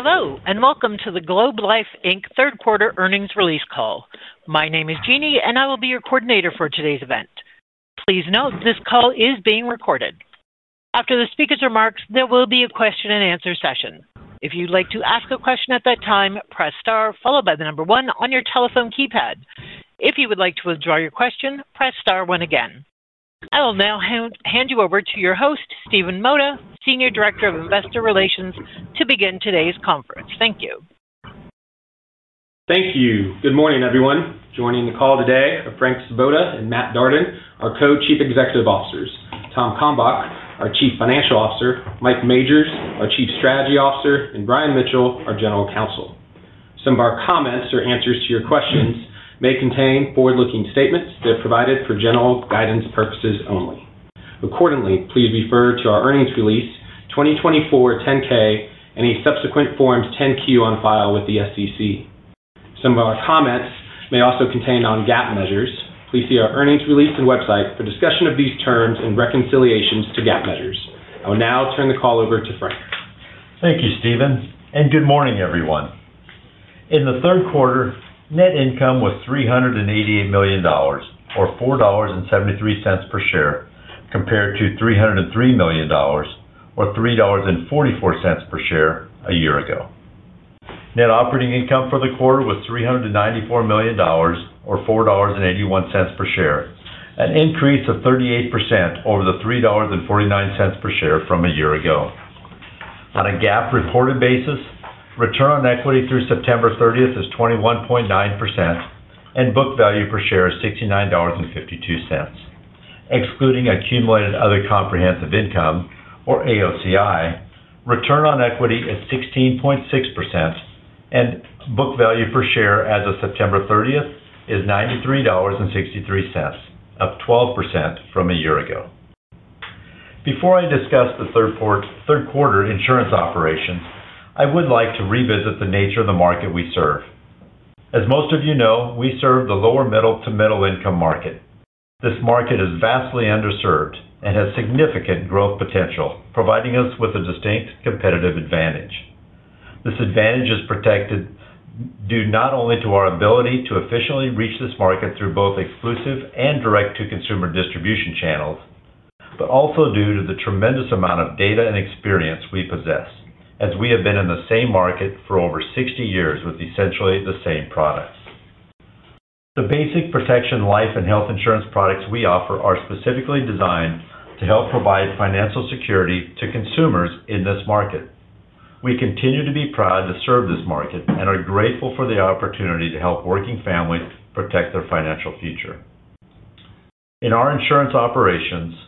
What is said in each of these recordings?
Hello, and welcome to the Globe Life Inc. third quarter earnings release call. My name is Jeannie, and I will be your coordinator for today's event. Please note this call is being recorded. After the speaker's remarks, there will be a question and answer session. If you'd like to ask a question at that time, press star followed by the number one on your telephone keypad. If you would like to withdraw your question, press star one again. I will now hand you over to your host, Stephen Mota, Senior Director of Investor Relations, to begin today's conference. Thank you. Thank you. Good morning, everyone. Joining the call today are Frank Svoboda and Matt Darden, our Co-Chief Executive Officers, Tom Kalmbach, our Chief Financial Officer, Mike Majors, our Chief Strategy Officer, and Brian Mitchell, our General Counsel. Some of our comments or answers to your questions may contain forward-looking statements that are provided for general guidance purposes only. Accordingly, please refer to our earnings release, 2024 10-K, and a subsequent Form 10-Q on file with the SEC. Some of our comments may also contain non-GAAP measures. Please see our earnings release and website for discussion of these terms and reconciliations to GAAP measures. I will now turn the call over to Frank. Thank you, Stephen, and good morning, everyone. In the third quarter, net income was $388 million, or $4.73 per share, compared to $303 million, or $3.44 per share a year ago. Net operating income for the quarter was $394 million, or $4.81 per share, an increase of 38% over the $3.49 per share from a year ago. On a GAAP reported basis, return on equity through September 30 is 21.9%, and book value per share is $69.52. Excluding accumulated other comprehensive income, or AOCI, return on equity is 16.6%, and book value per share as of September 30 is $93.63, up 12% from a year ago. Before I discuss the third quarter insurance operations, I would like to revisit the nature of the market we serve. As most of you know, we serve the lower middle to middle income market. This market is vastly underserved and has significant growth potential, providing us with a distinct competitive advantage. This advantage is protected not only by our ability to efficiently reach this market through both exclusive and direct-to-consumer distribution channels, but also due to the tremendous amount of data and experience we possess, as we have been in the same market for over 60 years with essentially the same products. The basic protection, life, and health insurance products we offer are specifically designed to help provide financial security to consumers in this market. We continue to be proud to serve this market and are grateful for the opportunity to help working families protect their financial future. In our insurance operations,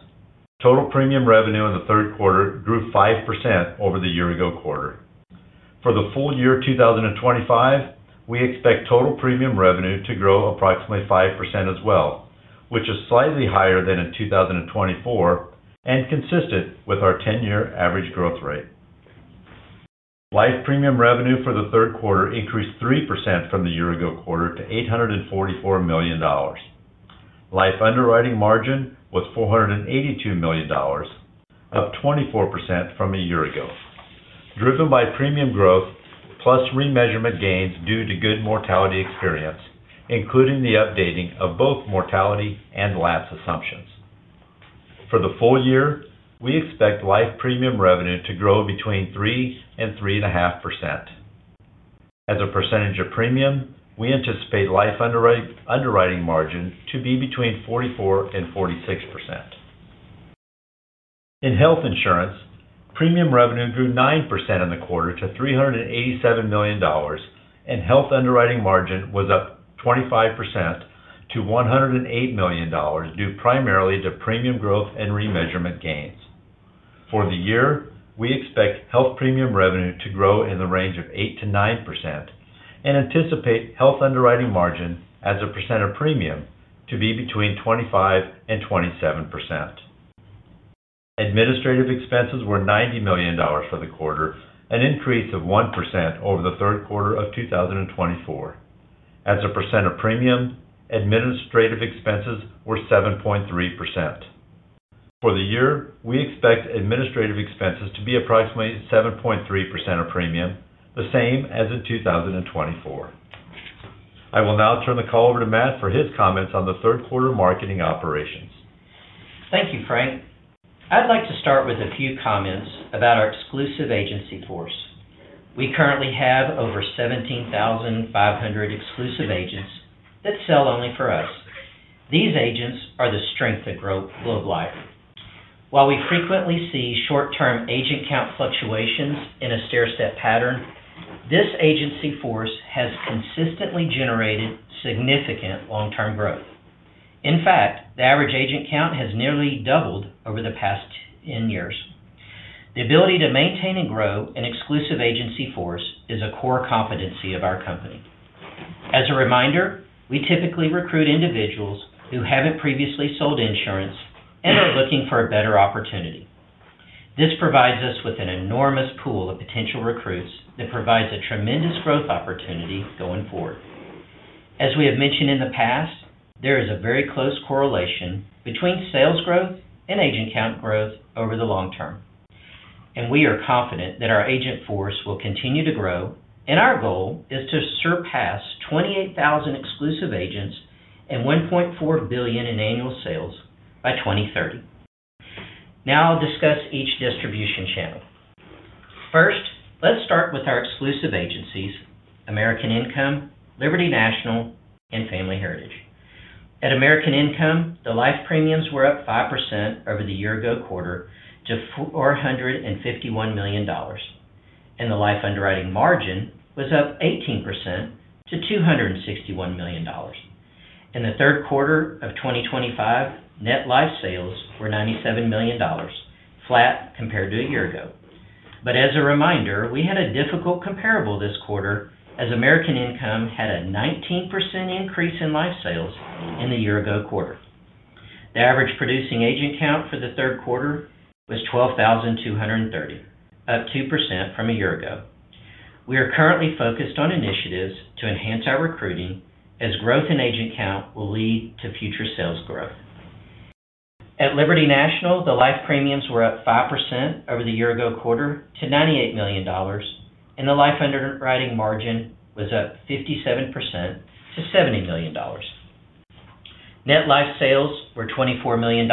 total premium revenue in the third quarter grew 5% over the year-ago quarter. For the full year 2025, we expect total premium revenue to grow approximately 5% as well, which is slightly higher than in 2024 and consistent with our 10-year average growth rate. Life premium revenue for the third quarter increased 3% from the year-ago quarter to $844 million. Life underwriting margin was $482 million, up 24% from a year ago, driven by premium growth plus remeasurement gains due to good mortality experience, including the updating of both mortality and lapse assumptions. For the full year, we expect life premium revenue to grow between 3% and 3.5%. As a percentage of premium, we anticipate life underwriting margin to be between 44% and 46%. In health insurance, premium revenue grew 9% in the quarter to $387 million, and health underwriting margin was up 25% to $108 million, due primarily to premium growth and remeasurement gains. For the year, we expect health premium revenue to grow in the range of 8%-9% and anticipate health underwriting margin, as a percent of premium, to be between 25% and 27%. Administrative expenses were $90 million for the quarter, an increase of 1% over the third quarter of 2024. As a percent of premium, administrative expenses were 7.3%. For the year, we expect administrative expenses to be approximately 7.3% of premium, the same as in 2024. I will now turn the call over to Matt for his comments on the third quarter marketing operations. Thank you, Frank. I'd like to start with a few comments about our exclusive agency force. We currently have over 17,500 exclusive agents that sell only for us. These agents are the strength of Globe Life. While we frequently see short-term agent count fluctuations in a stair-step pattern, this agency force has consistently generated significant long-term growth. In fact, the average agent count has nearly doubled over the past 10 years. The ability to maintain and grow an exclusive agency force is a core competency of our company. As a reminder, we typically recruit individuals who haven't previously sold insurance and are looking for a better opportunity. This provides us with an enormous pool of potential recruits that provides a tremendous growth opportunity going forward. As we have mentioned in the past, there is a very close correlation between sales growth and agent count growth over the long term. We are confident that our agent force will continue to grow, and our goal is to surpass 28,000 exclusive agents and $1.4 billion in annual sales by 2030. Now I'll discuss each distribution channel. First, let's start with our exclusive agencies. American Income Life, Liberty National Life, and Family Heritage. At American Income Life, the life premiums were up 5% over the year-ago quarter to $451 million, and the life underwriting margin was up 18% to $261 million. In the third quarter of 2025, net life sales were $97 million, flat compared to a year ago. As a reminder, we had a difficult comparable this quarter, as American Income Life had a 19% increase in life sales in the year-ago quarter. The average producing agent count for the third quarter was 12,230, up 2% from a year ago. We are currently focused on initiatives to enhance our recruiting, as growth in agent count will lead to future sales growth. At Liberty National Life, the life premiums were up 5% over the year-ago quarter to $98 million, and the life underwriting margin was up 57% to $70 million. Net life sales were $24 million,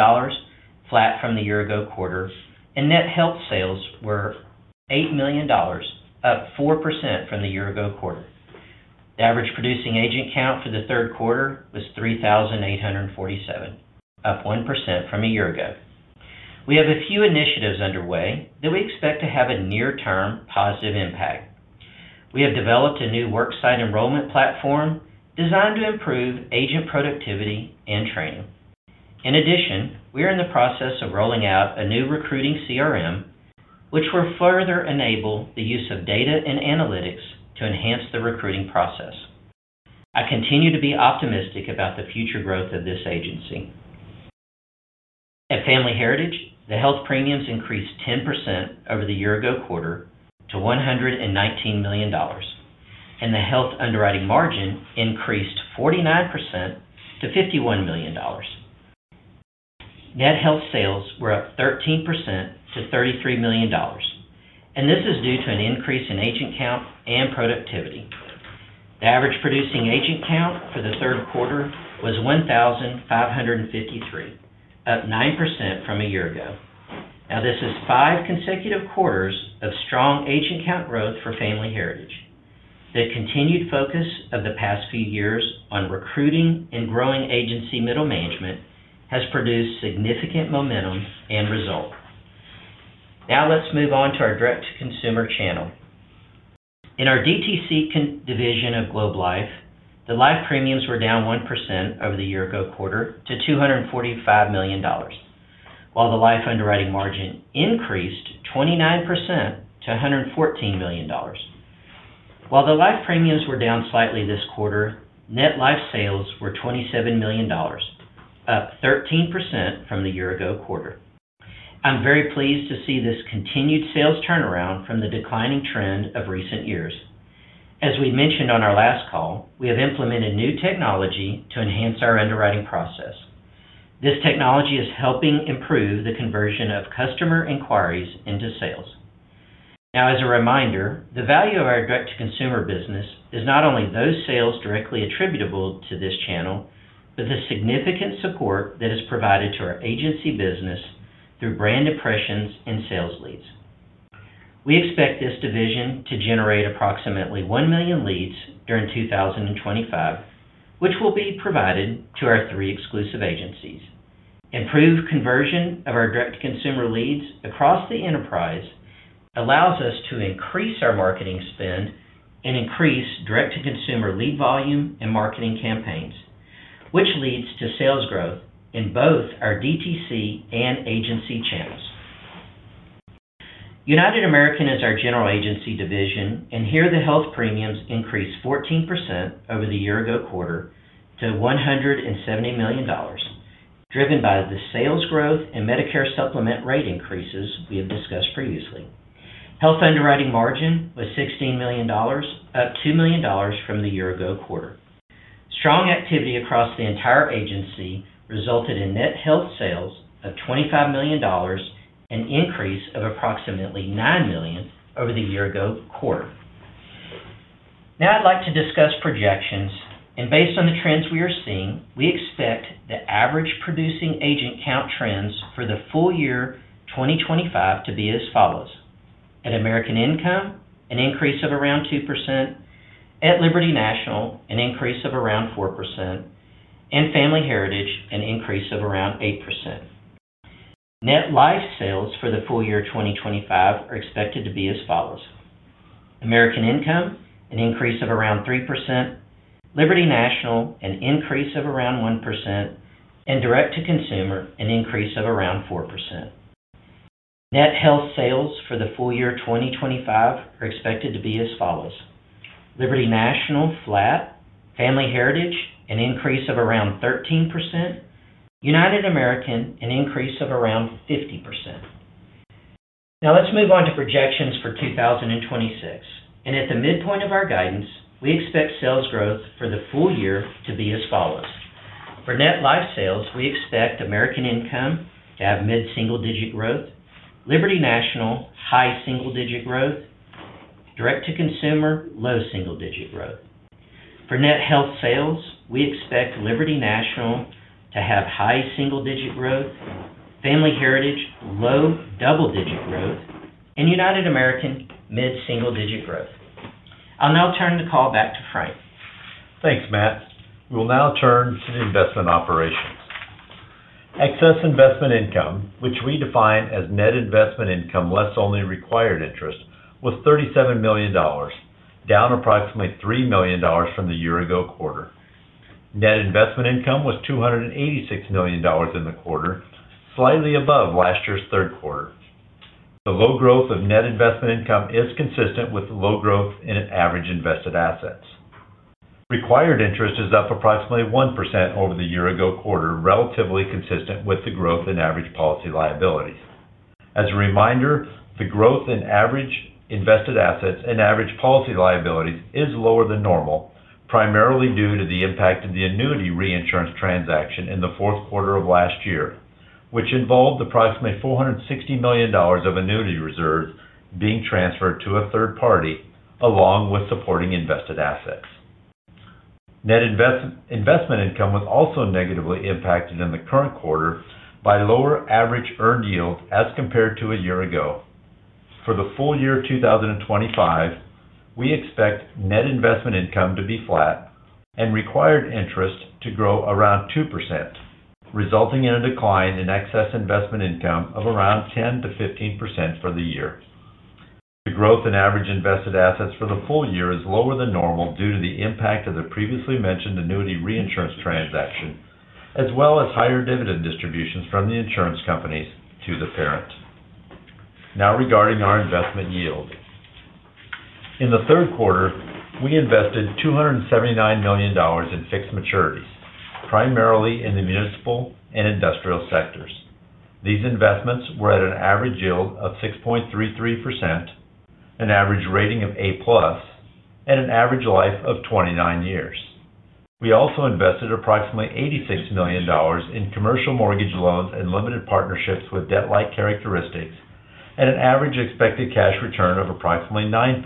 flat from the year-ago quarter, and net health sales were $8 million, up 4% from the year-ago quarter. The average producing agent count for the third quarter was 3,847, up 1% from a year ago. We have a few initiatives underway that we expect to have a near-term positive impact. We have developed a new worksite enrollment platform designed to improve agent productivity and training. In addition, we are in the process of rolling out a new recruiting CRM, which will further enable the use of data and analytics to enhance the recruiting process. I continue to be optimistic about the future growth of this agency. At Family Heritage, the health premiums increased 10% over the year-ago quarter to $119 million, and the health underwriting margin increased 49% to $51 million. Net health sales were up 13% to $33 million, and this is due to an increase in agent count and productivity. The average producing agent count for the third quarter was 1,553, up 9% from a year ago. This is five consecutive quarters of strong agent count growth for Family Heritage. The continued focus of the past few years on recruiting and growing agency middle management has produced significant momentum and result. Now let's move on to our direct-to-consumer channel. In our direct-to-consumer division of Globe Life, the life premiums were down 1% over the year-ago quarter to $245 million, while the life underwriting margin increased 29% to $114 million. While the life premiums were down slightly this quarter, net life sales were $27 million, up 13% from the year-ago quarter. I'm very pleased to see this continued sales turnaround from the declining trend of recent years. As we mentioned on our last call, we have implemented new technology to enhance our underwriting process. This technology is helping improve the conversion of customer inquiries into sales. As a reminder, the value of our direct-to-consumer business is not only those sales directly attributable to this channel, but the significant support that is provided to our agency business through brand impressions and sales leads. We expect this division to generate approximately 1 million leads during 2025, which will be provided to our three exclusive agencies. Improved conversion of our direct-to-consumer leads across the enterprise allows us to increase our marketing spend and increase direct-to-consumer lead volume and marketing campaigns, which leads to sales growth in both our direct-to-consumer and agency channels. United American is our general agency division, and here the health premiums increased 14% over the year-ago quarter to $170 million, driven by the sales growth and Medicare Supplement rate increases we have discussed previously. Health underwriting margin was $16 million, up $2 million from the year-ago quarter. Strong activity across the entire agency resulted in net health sales of $25 million and an increase of approximately $9 million over the year-ago quarter. Now I'd like to discuss projections, and based on the trends we are seeing, we expect the average producing agent count trends for the full year 2025 to be as follows: at American Income Life, an increase of around 2%; at Liberty National Life, an increase of around 4%; and Family Heritage, an increase of around 8%. Net life sales for the full year 2025 are expected to be as follows. American Income Life, an increase of around 3%, Liberty National Life, an increase of around 1%, and direct-to-consumer, an increase of around 4%. Net health sales for the full year 2025 are expected to be as follows: Liberty National Life, flat, Family Heritage, an increase of around 13%, United American Health, an increase of around 50%. Now let's move on to projections for 2026, and at the midpoint of our guidance, we expect sales growth for the full year to be as follows. For net life sales, we expect American Income Life to have mid-single-digit growth, Liberty National Life high single-digit growth, and direct-to-consumer low single-digit growth. For net health sales, we expect Liberty National Life to have high single-digit growth, Family Heritage low double-digit growth, and United American Health mid-single-digit growth. I'll now turn the call back to Frank. Thanks, Matt. We'll now turn to the investment operations. Excess investment income, which we define as net investment income less only required interest, was $37 million, down approximately $3 million from the year-ago quarter. Net investment income was $286 million in the quarter, slightly above last year's third quarter. The low growth of net investment income is consistent with low growth in average invested assets. Required interest is up approximately 1% over the year-ago quarter, relatively consistent with the growth in average policy liabilities. As a reminder, the growth in average invested assets and average policy liabilities is lower than normal, primarily due to the impact of the annuity reinsurance transaction in the fourth quarter of last year, which involved approximately $460 million of annuity reserves being transferred to a third party, along with supporting invested assets. Net investment income was also negatively impacted in the current quarter by lower average earned yields as compared to a year ago. For the full year 2025, we expect net investment income to be flat and required interest to grow around 2%, resulting in a decline in excess investment income of around 10%-15% for the year. The growth in average invested assets for the full year is lower than normal due to the impact of the previously mentioned annuity reinsurance transaction, as well as higher dividend distributions from the insurance companies to the parent. Now regarding our investment yield. In the third quarter, we invested $279 million in fixed maturities, primarily in the municipal and industrial sectors. These investments were at an average yield of 6.33%, an average rating of A+, and an average life of 29 years. We also invested approximately $86 million in commercial mortgage loans and limited partnerships with debt-like characteristics, and an average expected cash return of approximately 9%.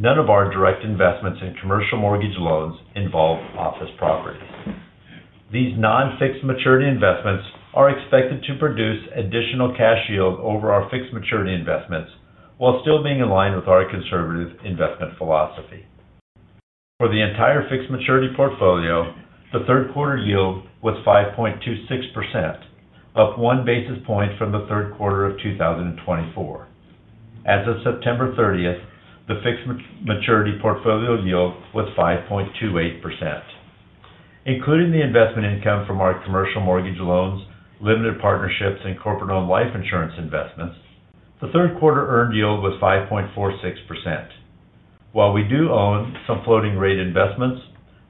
None of our direct investments in commercial mortgage loans involved office properties. These non-fixed maturity investments are expected to produce additional cash yield over our fixed maturity investments, while still being in line with our conservative investment philosophy. For the entire fixed maturity portfolio, the third quarter yield was 5.26%, up one basis point from the third quarter of 2024. As of September 30, the fixed maturity portfolio yield was 5.28%. Including the investment income from our commercial mortgage loans, limited partnerships, and corporate-owned life insurance investments, the third quarter earned yield was 5.46%. While we do own some floating rate investments,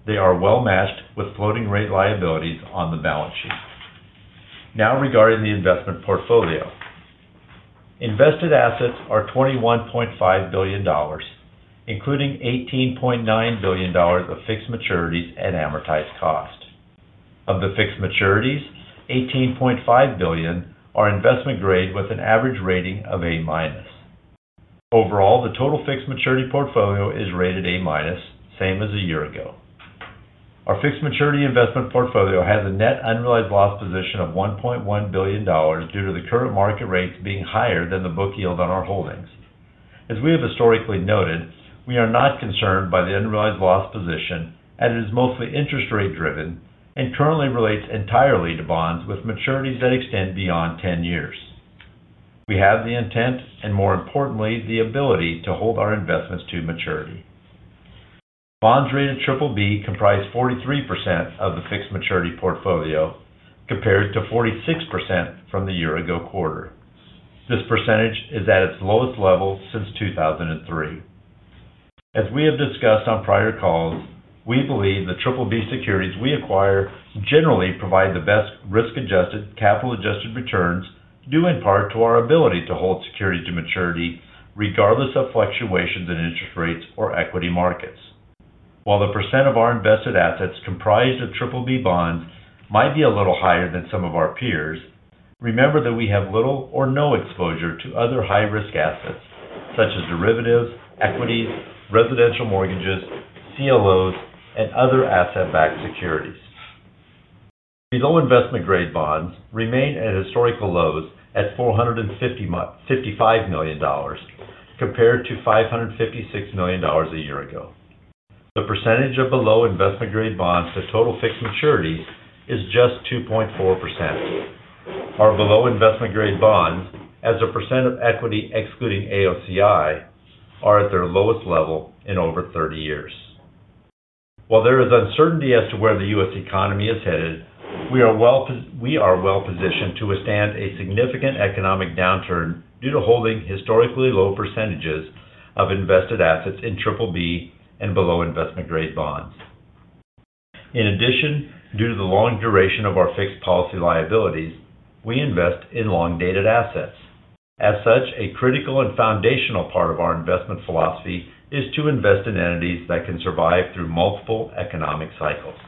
they are well matched with floating rate liabilities on the balance sheet. Now regarding the investment portfolio, invested assets are $21.5 billion, including $18.9 billion of fixed maturities at amortized cost. Of the fixed maturities, $18.5 billion are investment grade with an average rating of A-. Overall, the total fixed maturity portfolio is rated A-, same as a year ago. Our fixed maturity investment portfolio has a net unrealized loss position of $1.1 billion due to the current market rates being higher than the book yield on our holdings. As we have historically noted, we are not concerned by the unrealized loss position, as it is mostly interest rate driven and currently relates entirely to bonds with maturities that extend beyond 10 years. We have the intent and, more importantly, the ability to hold our investments to maturity. Bonds rated BBB comprise 43% of the fixed maturity portfolio, compared to 46% from the year-ago quarter. This percentage is at its lowest level since 2003. As we have discussed on prior calls, we believe the BBB securities we acquire generally provide the best risk-adjusted, capital-adjusted returns due in part to our ability to hold securities to maturity, regardless of fluctuations in interest rates or equity markets. While the percent of our invested assets comprised of BBB bonds might be a little higher than some of our peers, remember that we have little or no exposure to other high-risk assets, such as derivatives, equities, residential mortgages, CLOs, and other asset-backed securities. Below investment grade bonds remain at historical lows at $455 million, compared to $556 million a year ago. The percentage of below investment grade bonds to total fixed maturities is just 2.4%. Our below investment grade bonds, as a percent of equity excluding AOCI, are at their lowest level in over 30 years. While there is uncertainty as to where the U.S. economy is headed, we are well positioned to withstand a significant economic downturn due to holding historically low percentages of invested assets in BBB and below investment grade bonds. In addition, due to the long duration of our fixed policy liabilities, we invest in long-dated assets. As such, a critical and foundational part of our investment philosophy is to invest in entities that can survive through multiple economic cycles.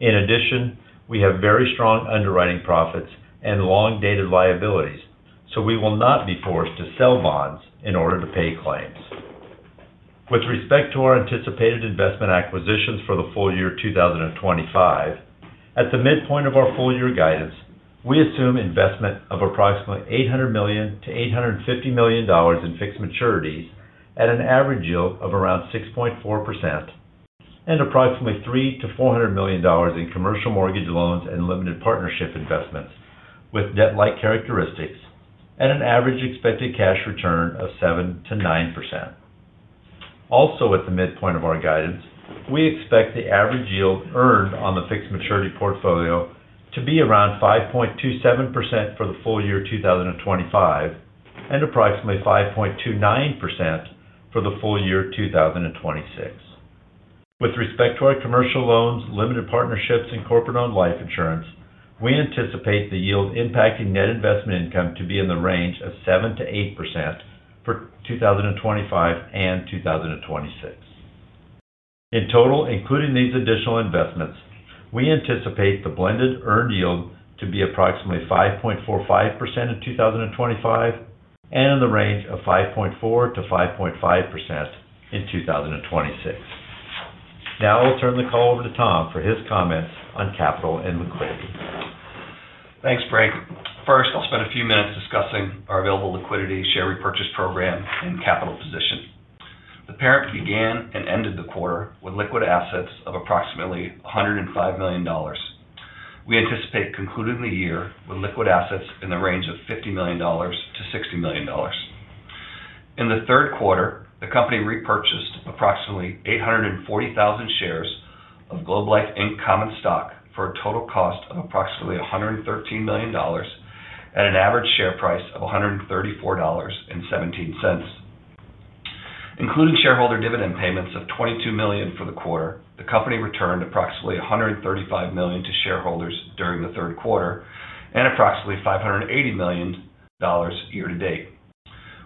In addition, we have very strong underwriting profits and long-dated liabilities, so we will not be forced to sell bonds in order to pay claims. With respect to our anticipated investment acquisitions for the full year 2025, at the midpoint of our full year guidance, we assume investment of approximately $800 million-$850 million in fixed maturities at an average yield of around 6.4% and approximately $300 million-$400 million in commercial mortgage loans and limited partnership investments with debt-like characteristics and an average expected cash return of 7%-9%. Also, at the midpoint of our guidance, we expect the average yield earned on the fixed maturity portfolio to be around 5.27% for the full year 2025 and approximately 5.29% for the full year 2026. With respect to our commercial loans, limited partnerships, and corporate-owned life insurance, we anticipate the yield impacting net investment income to be in the range of 7%-8% for 2025 and 2026. In total, including these additional investments, we anticipate the blended earned yield to be approximately 5.45% in 2025 and in the range of 5.4%-5.5% in 2026. Now I'll turn the call over to Tom for his comments on capital and liquidity. Thanks, Frank. First, I'll spend a few minutes discussing our available liquidity, share repurchase program, and capital position. The parent began and ended the quarter with liquid assets of approximately $105 million. We anticipate concluding the year with liquid assets in the range of $50 million-$60 million. In the third quarter, the company repurchased approximately 840,000 shares of Globe Life Inc. common stock for a total cost of approximately $113 million at an average share price of $134.17. Including shareholder dividend payments of $22 million for the quarter, the company returned approximately $135 million to shareholders during the third quarter and approximately $580 million year to date.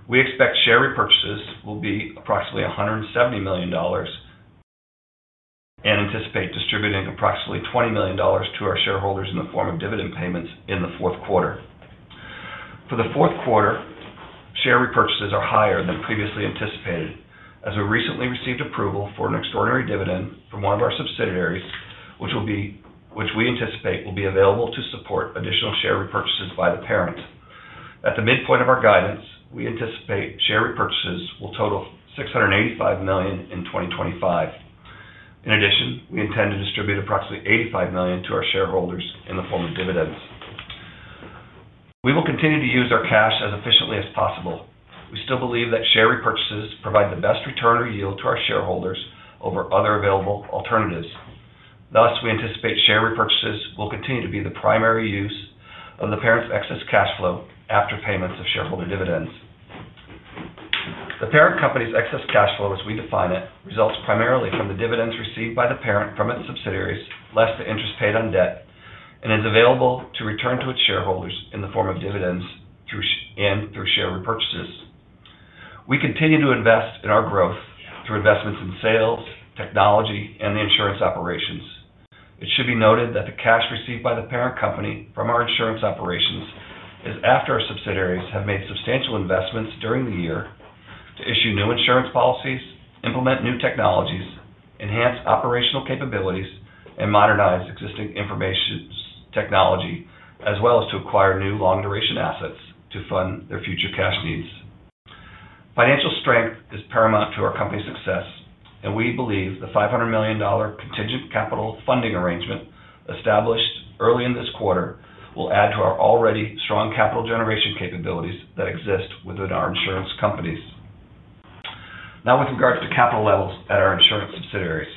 We expect share repurchases will be approximately $170 million and anticipate distributing approximately $20 million to our shareholders in the form of dividend payments in the fourth quarter. For the fourth quarter, share repurchases are higher than previously anticipated, as we recently received approval for an extraordinary dividend from one of our subsidiaries, which we anticipate will be available to support additional share repurchases by the parent. At the midpoint of our guidance, we anticipate share repurchases will total $685 million in 2025. In addition, we intend to distribute approximately $85 million to our shareholders in the form of dividends. We will continue to use our cash as efficiently as possible. We still believe that share repurchases provide the best return or yield to our shareholders over other available alternatives. Thus, we anticipate share repurchases will continue to be the primary use of the parent's excess cash flow after payments of shareholder dividends. The parent company's excess cash flow, as we define it, results primarily from the dividends received by the parent from its subsidiaries, less the interest paid on debt, and is available to return to its shareholders in the form of dividends and through share repurchases. We continue to invest in our growth through investments in sales, technology, and the insurance operations. It should be noted that the cash received by the parent company from our insurance operations is after our subsidiaries have made substantial investments during the year to issue new insurance policies, implement new technologies, enhance operational capabilities, and modernize existing information technology, as well as to acquire new long-duration assets to fund their future cash needs. Financial strength is paramount to our company's success, and we believe the $500 million contingent capital funding arrangement established early in this quarter will add to our already strong capital generation capabilities that exist within our insurance companies. Now, with regards to capital levels at our insurance subsidiaries,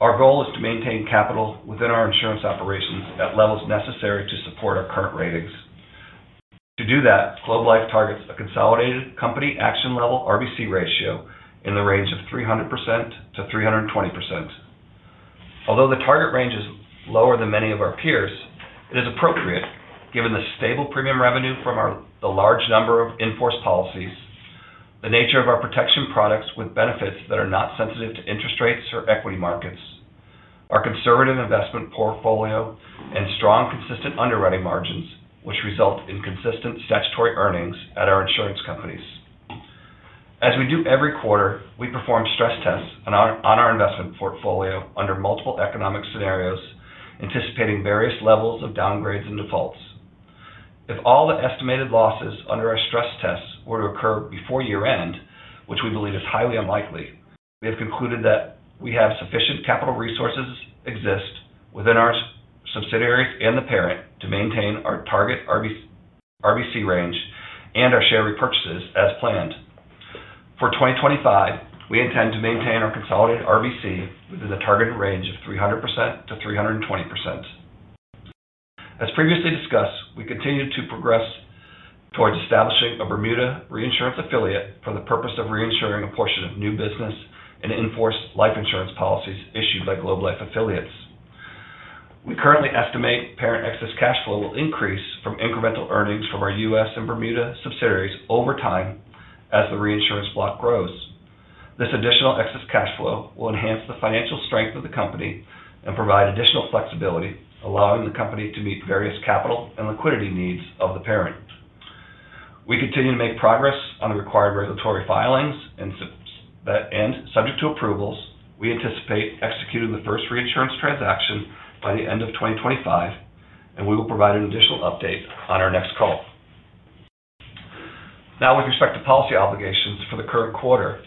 our goal is to maintain capital within our insurance operations at levels necessary to support our current ratings. To do that, Globe Life targets a consolidated company action level RBC ratio in the range of 300%-320%. Although the target range is lower than many of our peers, it is appropriate given the stable premium revenue from the large number of in-force policies, the nature of our protection products with benefits that are not sensitive to interest rates or equity markets, our conservative investment portfolio, and strong consistent underwriting margins, which result in consistent statutory earnings at our insurance companies. As we do every quarter, we perform stress tests on our investment portfolio under multiple economic scenarios, anticipating various levels of downgrades and defaults. If all the estimated losses under our stress tests were to occur before year-end, which we believe is highly unlikely, we have concluded that we have sufficient capital resources within our subsidiaries and the parent to maintain our target RBC range and our share repurchases as planned. For 2025, we intend to maintain our consolidated RBC within the targeted range of 300%-320%. As previously discussed, we continue to progress towards establishing a Bermuda reinsurance affiliate for the purpose of reinsuring a portion of new business and in-force life insurance policies issued by Globe Life affiliates. We currently estimate parent excess cash flow will increase from incremental earnings from our U.S. and Bermuda subsidiaries over time as the reinsurance block grows. This additional excess cash flow will enhance the financial strength of the company and provide additional flexibility, allowing the company to meet various capital and liquidity needs of the parent. We continue to make progress on the required regulatory filings and, subject to approvals, we anticipate executing the first reinsurance transaction by the end of 2025, and we will provide an additional update on our next call. Now, with respect to policy obligations for the current quarter,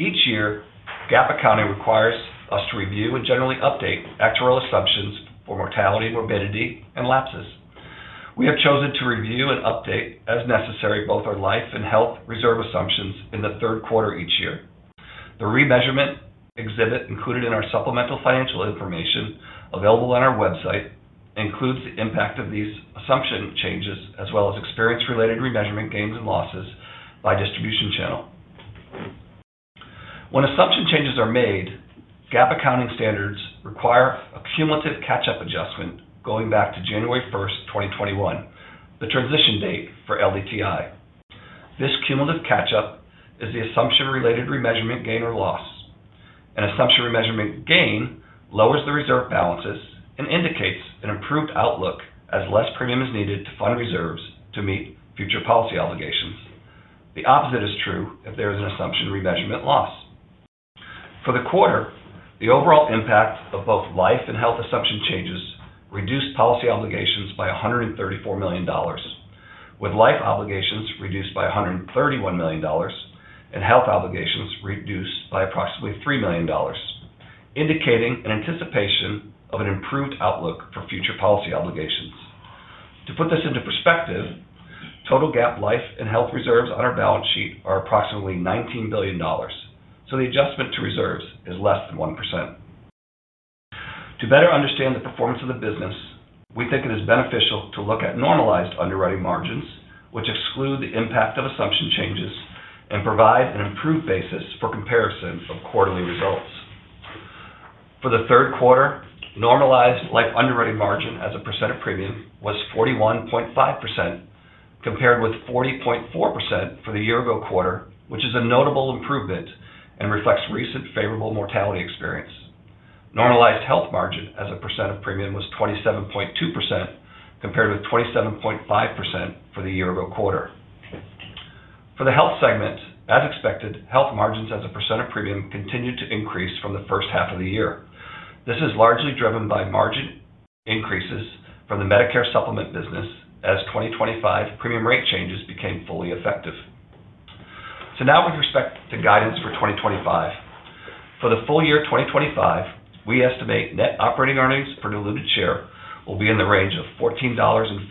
each year, GAAP accounting requires us to review and generally update actuarial assumptions for mortality, morbidity, and lapses. We have chosen to review and update, as necessary, both our life and health reserve assumptions in the third quarter each year. The remeasurement exhibit included in our supplemental financial information available on our website includes the impact of these assumption changes, as well as experience-related remeasurement gains and losses by distribution channel. When assumption changes are made, GAAP accounting standards require a cumulative catch-up adjustment going back to January 1, 2021, the transition date for LDTI. This cumulative catch-up is the assumption-related remeasurement gain or loss. An assumption remeasurement gain lowers the reserve balances and indicates an improved outlook as less premium is needed to fund reserves to meet future policy obligations. The opposite is true if there is an assumption remeasurement loss. For the quarter, the overall impact of both life and health assumption changes reduced policy obligations by $134 million, with life obligations reduced by $131 million and health obligations reduced by approximately $3 million, indicating an anticipation of an improved outlook for future policy obligations. To put this into perspective, total GAAP life and health reserves on our balance sheet are approximately $19 billion, so the adjustment to reserves is less than 1%. To better understand the performance of the business, we think it is beneficial to look at normalized underwriting margins, which exclude the impact of assumption changes and provide an improved basis for comparison of quarterly results. For the third quarter, normalized life underwriting margin as a percent of premium was 41.5% compared with 40.4% for the year-ago quarter, which is a notable improvement and reflects recent favorable mortality experience. Normalized health margin as a percent of premium was 27.2% compared with 27.5% for the year-ago quarter. For the health segment, as expected, health margins as a percent of premium continued to increase from the first half of the year. This is largely driven by margin increases from the Medicare Supplement business as 2025 premium rate changes became fully effective. Now, with respect to guidance for 2025, for the full year 2025, we estimate net operating earnings per diluted share will be in the range of $14.40-$14.60,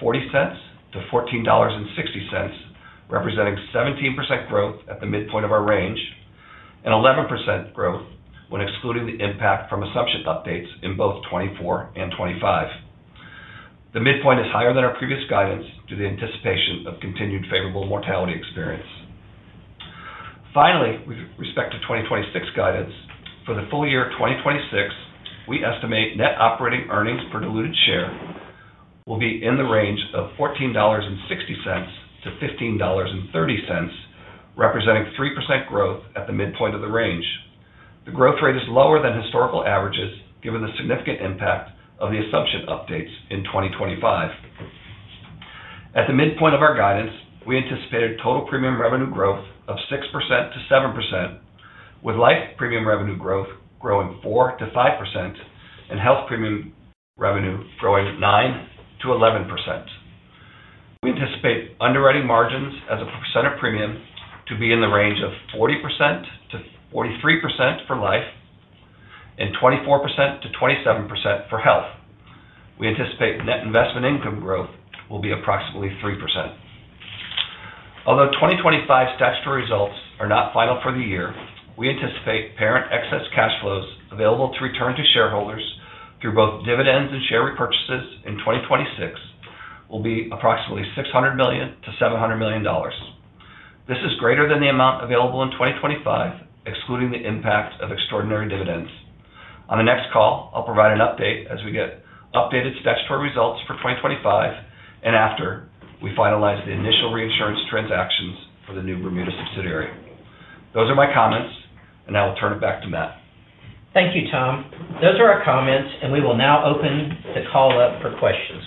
representing 17% growth at the midpoint of our range and 11% growth when excluding the impact from assumption updates in both 2024 and 2025. The midpoint is higher than our previous guidance due to the anticipation of continued favorable mortality experience. Finally, with respect to 2026 guidance, for the full year 2026, we estimate net operating earnings per diluted share will be in the range of $14.60-$15.30, representing 3% growth at the midpoint of the range. The growth rate is lower than historical averages, given the significant impact of the assumption updates in 2025. At the midpoint of our guidance, we anticipated total premium revenue growth of 6%-7%, with life premium revenue growth growing 4%-5% and health premium revenue growing 9%-11%. We anticipate underwriting margins as a percent of premium to be in the range of 40%-43% for life and 24%-27% for health. We anticipate net investment income growth will be approximately 3%. Although 2025 statutory results are not final for the year, we anticipate parent excess cash flows available to return to shareholders through both dividends and share repurchases in 2026 will be approximately $600 million-$700 million. This is greater than the amount available in 2025, excluding the impact of extraordinary dividends. On the next call, I'll provide an update as we get updated statutory results for 2025 and after we finalize the initial reinsurance transactions for the new Bermuda subsidiary. Those are my comments, and I will turn it back to Matt. Thank you, Tom. Those are our comments, and we will now open the call up for questions.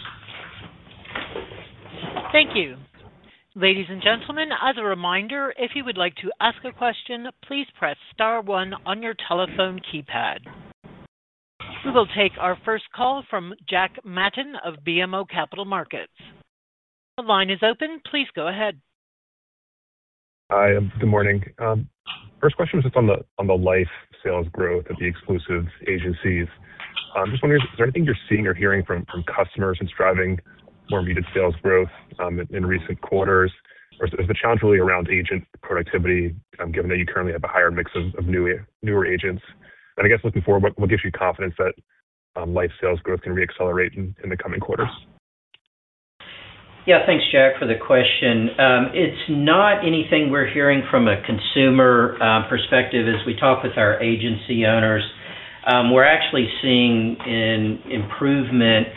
Thank you. Ladies and gentlemen, as a reminder, if you would like to ask a question, please press star one on your telephone keypad. We will take our first call from Jack Matton of BMO Capital Markets. The line is open. Please go ahead. Hi. Good morning. First question is just on the life sales growth at the exclusive agencies. I'm just wondering, is there anything you're seeing or hearing from customers that's driving more muted sales growth in recent quarters, or is the challenge really around agent productivity, given that you currently have a higher mix of newer agents? I guess, looking forward, what gives you confidence that life sales growth can reaccelerate in the coming quarters? Yeah, thanks, Jack, for the question. It's not anything we're hearing from a consumer perspective. As we talk with our agency owners, we're actually seeing an improvement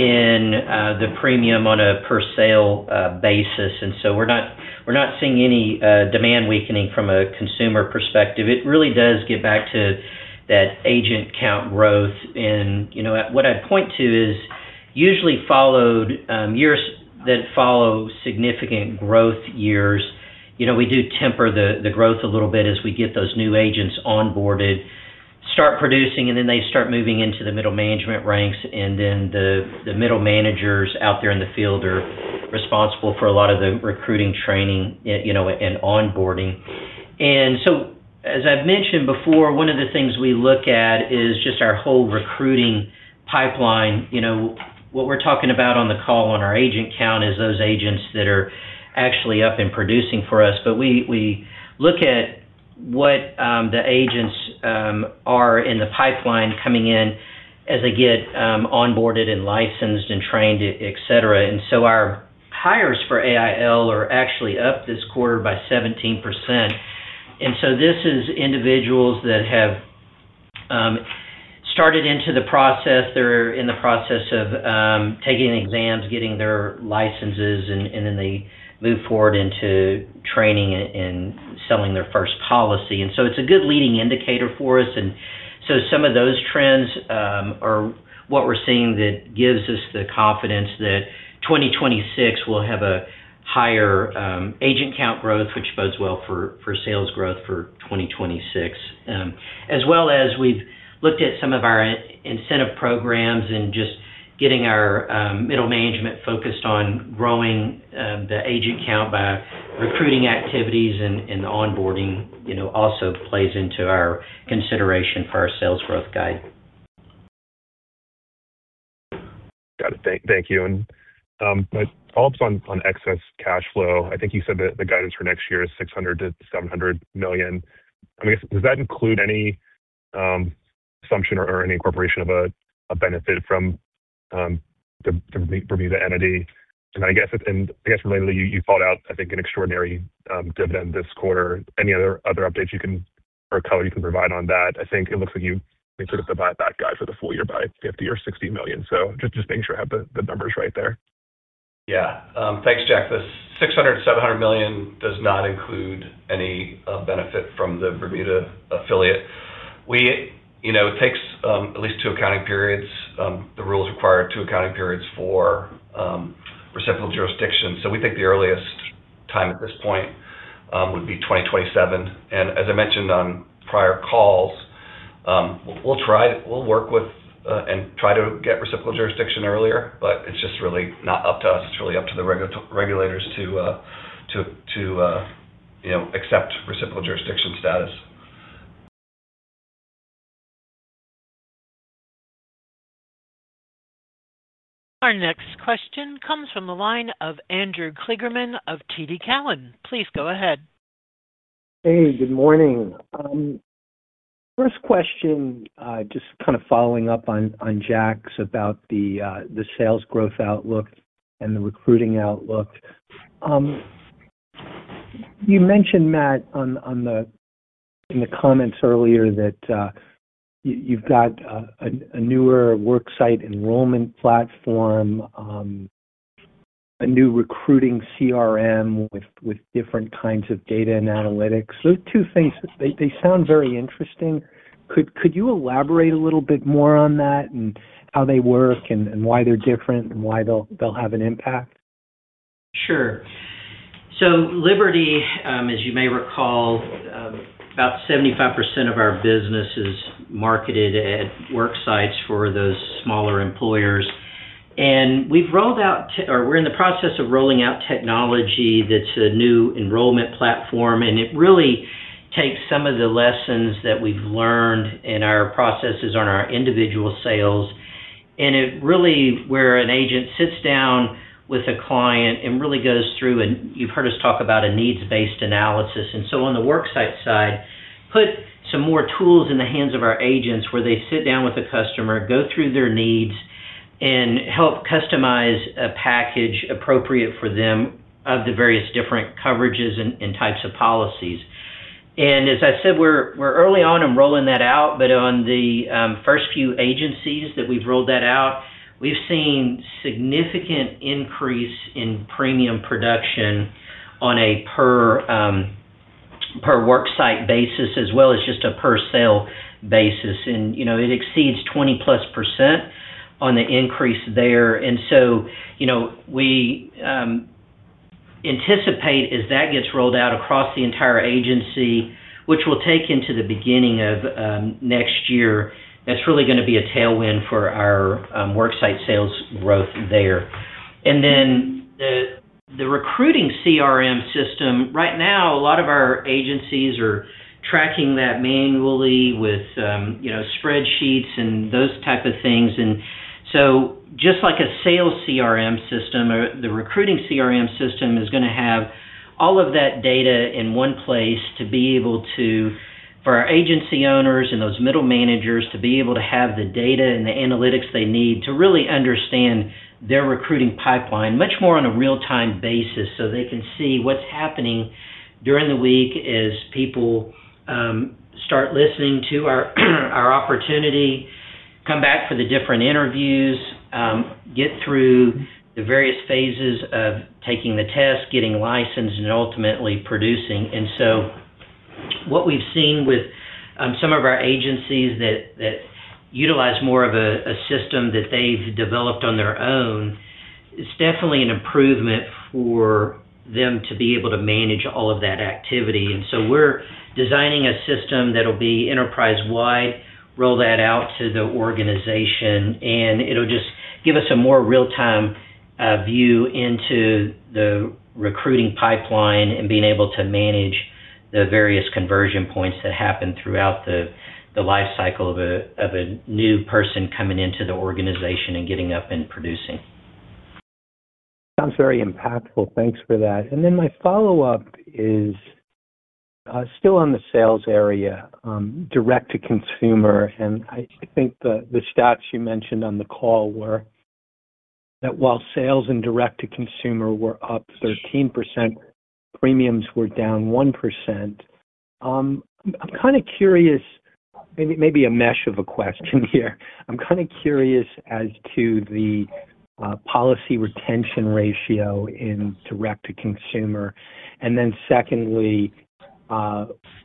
in the premium on a per sale basis. We're not seeing any demand weakening from a consumer perspective. It really does get back to that agent count growth. What I'd point to is usually years that follow significant growth years, we do temper the growth a little bit as we get those new agents onboarded, start producing, and then they start moving into the middle management ranks. The middle managers out there in the field are responsible for a lot of the recruiting, training, and onboarding. As I've mentioned before, one of the things we look at is just our whole recruiting pipeline. What we're talking about on the call on our agent count is those agents that are actually up and producing for us. We look at what the agents are in the pipeline coming in as they get onboarded and licensed and trained, etc. Our hires for American Income Life are actually up this quarter by 17%. This is individuals that have started into the process. They're in the process of taking exams, getting their licenses, and then they move forward into training and selling their first policy. It's a good leading indicator for us. Some of those trends are what we're seeing that gives us the confidence that 2026 we'll have a higher agent count growth, which bodes well for sales growth for 2026. As well as we've looked at some of our incentive programs and just getting our middle management focused on growing the agent count by recruiting activities and the onboarding also plays into our consideration for our sales growth guide. Got it. Thank you. My follow-up is on excess cash flow. I think you said that the guidance for next year is $600 million-$700 million. Does that include any assumption or any incorporation of a benefit from the Bermuda entity? Relatedly, you called out, I think, an extraordinary dividend this quarter. Any other updates you can provide on that? I think it looks like you sort of divide that guide for the full year by $50 million or $60 million. Just making sure I have the numbers right there. Yeah, thanks, Jack. The $600-$700 million does not include any benefit from the Bermuda affiliate. It takes at least two accounting periods. The rules require two accounting periods for reciprocal jurisdiction. We think the earliest time at this point would be 2027. As I mentioned on prior calls, we'll work with and try to get reciprocal jurisdiction earlier, but it's just really not up to us. It's really up to the regulators to accept reciprocal jurisdiction status. Our next question comes from the line of Andrew Kligerman of TD Securities. Please go ahead. Hey, good morning. First question, just kind of following up on Jack's about the sales growth outlook and the recruiting outlook. You mentioned, Matt, in the comments earlier that you've got a newer worksite enrollment platform, a new recruiting CRM with different kinds of data and analytics. Those two things, they sound very interesting. Could you elaborate a little bit more on that and how they work and why they're different and why they'll have an impact? Sure. Liberty, as you may recall, about 75% of our business is marketed at worksites for those smaller employers. We've rolled out, or we're in the process of rolling out, technology that's a new worksite enrollment platform. It really takes some of the lessons that we've learned in our processes on our individual sales. Where an agent sits down with a client and really goes through, and you've heard us talk about a needs-based analysis. On the worksite side, it puts more tools in the hands of our agents where they sit down with a customer, go through their needs, and help customize a package appropriate for them of the various different coverages and types of policies. As I said, we're early on in rolling that out, but on the first few agencies that we've rolled that out, we've seen a significant increase in premium production on a per-worksite basis, as well as just a per-sale basis. It exceeds 20% on the increase there. We anticipate as that gets rolled out across the entire agency, which will take into the beginning of next year, that's really going to be a tailwind for our worksite sales growth there. The recruiting CRM system, right now, a lot of our agencies are tracking that manually with spreadsheets and those types of things. Just like a sales CRM system, the recruiting CRM system is going to have all of that data in one place to be able to, for our agency owners and those middle managers, have the data and the analytics they need to really understand their recruiting pipeline much more on a real-time basis so they can see what's happening during the week as people start listening to our opportunity, come back for the different interviews, get through the various phases of taking the test, getting licensed, and ultimately producing. What we've seen with some of our agencies that utilize more of a system that they've developed on their own, it's definitely an improvement for them to be able to manage all of that activity. We're designing a system that'll be enterprise-wide, roll that out to the organization, and it'll just give us a more real-time view into the recruiting pipeline and being able to manage the various conversion points that happen throughout the life cycle of a new person coming into the organization and getting up and producing. Sounds very impactful. Thanks for that. My follow-up is still on the sales area, direct-to-consumer. I think the stats you mentioned on the call were that while sales in direct-to-consumer were up 13%, premiums were down 1%. I'm kind of curious, maybe a mesh of a question here. I'm kind of curious as to the policy retention ratio in direct-to-consumer. Secondly,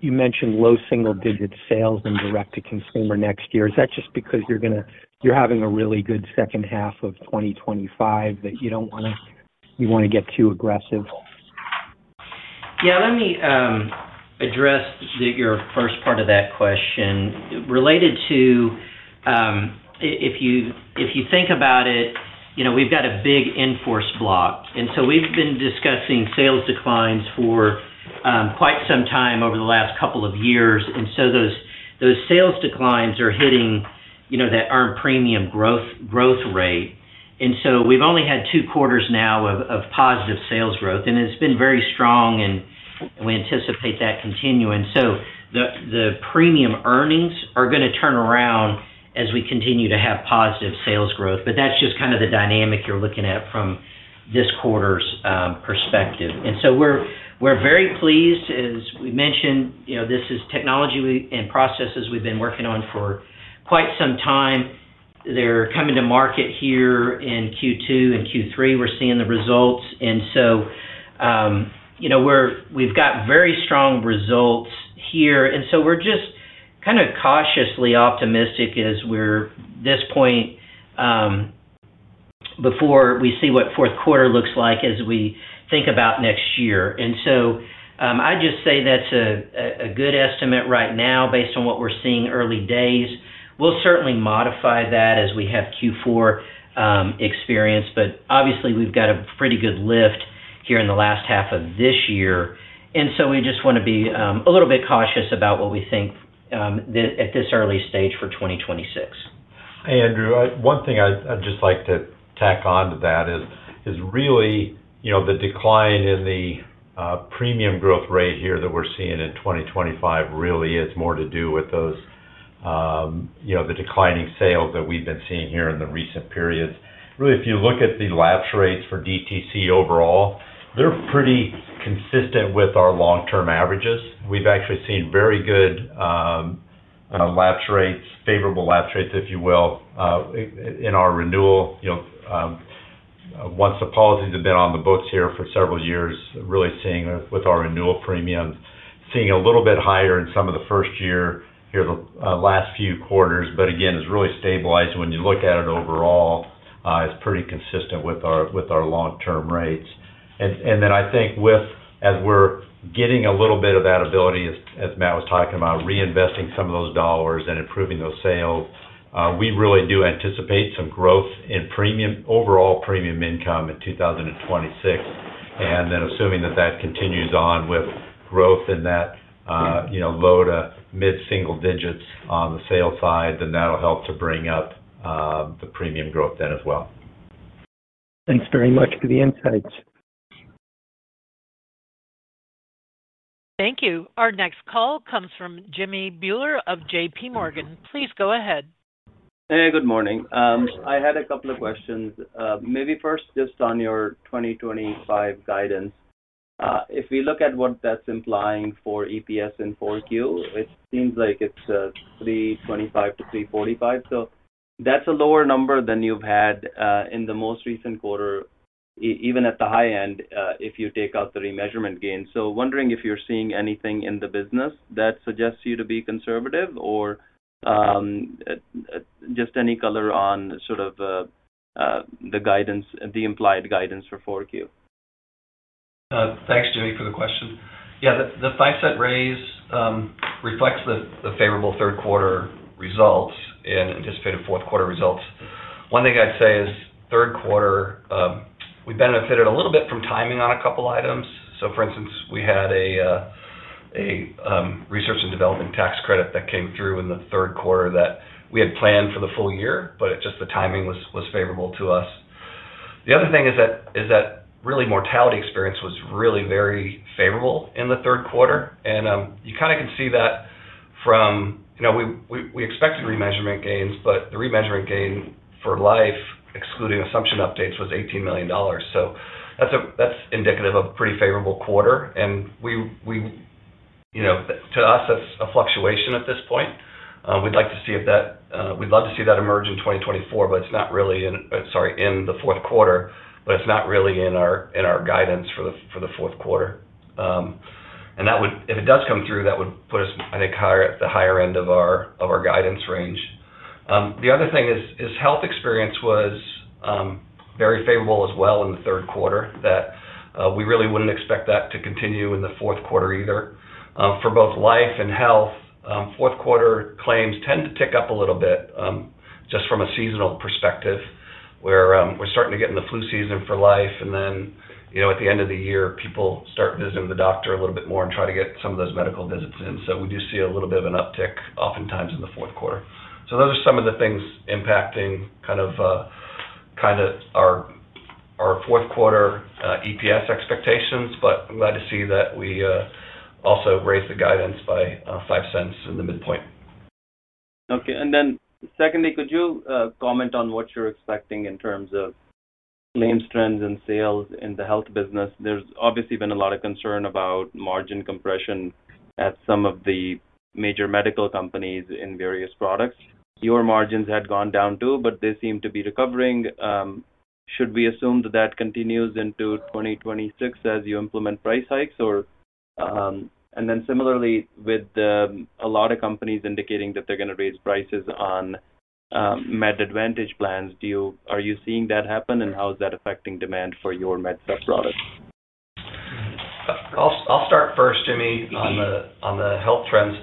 you mentioned low single-digit sales in direct-to-consumer next year. Is that just because you're having a really good second half of 2025 that you don't want to get too aggressive? Let me address your first part of that question. Related to, if you think about it, we've got a big in-force block. We've been discussing sales declines for quite some time over the last couple of years. Those sales declines are hitting that premium growth rate. We've only had two quarters now of positive sales growth, and it's been very strong, and we anticipate that continuing. The premium earnings are going to turn around as we continue to have positive sales growth. That's just the dynamic you're looking at from this quarter's perspective. We're very pleased. As we mentioned, this is technology and processes we've been working on for quite some time. They're coming to market here in Q2 and Q3. We're seeing the results. We've got very strong results here. We're just kind of cautiously optimistic as we're at this point before we see what the fourth quarter looks like as we think about next year. I'd just say that's a good estimate right now based on what we're seeing early days. We'll certainly modify that as we have Q4 experience, but obviously, we've got a pretty good lift here in the last half of this year. We just want to be a little bit cautious about what we think at this early stage for 2026. Hey, Andrew. One thing I'd just like to tack on to that is really, you know, the decline in the premium growth rate here that we're seeing in 2025 really is more to do with those, you know, the declining sales that we've been seeing here in the recent periods. Really, if you look at the lapse rates for DTC overall, they're pretty consistent with our long-term averages. We've actually seen very good lapse rates, favorable lapse rates, if you will, in our renewal. You know, once the policies have been on the books here for several years, really seeing with our renewal premiums, seeing a little bit higher in some of the first year here, the last few quarters. Again, it's really stabilized. When you look at it overall, it's pretty consistent with our long-term rates. I think with, as we're getting a little bit of that ability, as Matt was talking about, reinvesting some of those dollars and improving those sales, we really do anticipate some growth in overall premium income in 2026. Assuming that that continues on with growth in that, you know, low to mid-single digits on the sales side, that'll help to bring up the premium growth then as well. Thanks very much for the insights. Thank you. Our next call comes from Jimmy Bhullar of JPMorgan. Please go ahead. Hey, good morning. I had a couple of questions. Maybe first just on your 2025 guidance. If we look at what that's implying for EPS in 4Q, it seems like it's $3.25-$3.45. That's a lower number than you've had in the most recent quarter, even at the high end, if you take out the remeasurement gain. I'm wondering if you're seeing anything in the business that suggests you to be conservative or just any color on the guidance, the implied guidance for 4Q. Thanks, Jimmy, for the question. Yeah, the price that raised reflects the favorable third quarter results and anticipated fourth quarter results. One thing I'd say is third quarter, we benefited a little bit from timing on a couple of items. For instance, we had a research and development tax credit that came through in the third quarter that we had planned for the full year, but just the timing was favorable to us. The other thing is that really mortality experience was really very favorable in the third quarter. You kind of can see that from, you know, we expected remeasurement gains, but the remeasurement gain for life, excluding assumption updates, was $18 million. That's indicative of a pretty favorable quarter. To us, that's a fluctuation at this point. We'd like to see if that, we'd love to see that emerge in 2024, but it's not really in, sorry, in the fourth quarter, but it's not really in our guidance for the fourth quarter. If it does come through, that would put us, I think, at the higher end of our guidance range. The other thing is health experience was very favorable as well in the third quarter that we really wouldn't expect to continue in the fourth quarter either. For both life and health, fourth quarter claims tend to tick up a little bit just from a seasonal perspective where we're starting to get in the flu season for life. At the end of the year, people start visiting the doctor a little bit more and try to get some of those medical visits in. We do see a little bit of an uptick oftentimes in the fourth quarter. Those are some of the things impacting kind of our fourth quarter EPS expectations. I'm glad to see that we also raised the guidance by $0.05 in the midpoint. Okay. Could you comment on what you're expecting in terms of claims trends and sales in the health business? There's obviously been a lot of concern about margin compression at some of the major medical companies in various products. Your margins had gone down too, but they seem to be recovering. Should we assume that that continues into 2026 as you implement price hikes? Similarly, with a lot of companies indicating that they're going to raise prices on Medicare Advantage plans, are you seeing that happen? How is that affecting demand for your Medicare Supplement products? I'll start first, Jimmy, on the health trends.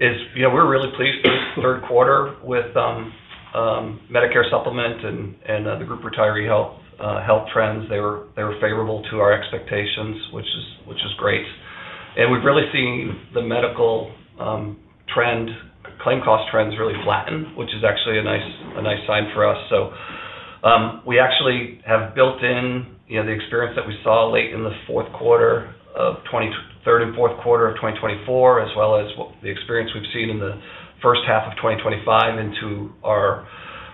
Yeah, we're really pleased with third quarter with Medicare Supplement and the group retiree health trends. They were favorable to our expectations, which is great. We've really seen the medical trend, claim cost trends really flatten, which is actually a nice sign for us. We actually have built in the experience that we saw late in the fourth quarter of 2023 and fourth quarter of 2024, as well as the experience we've seen in the first half of 2025, into our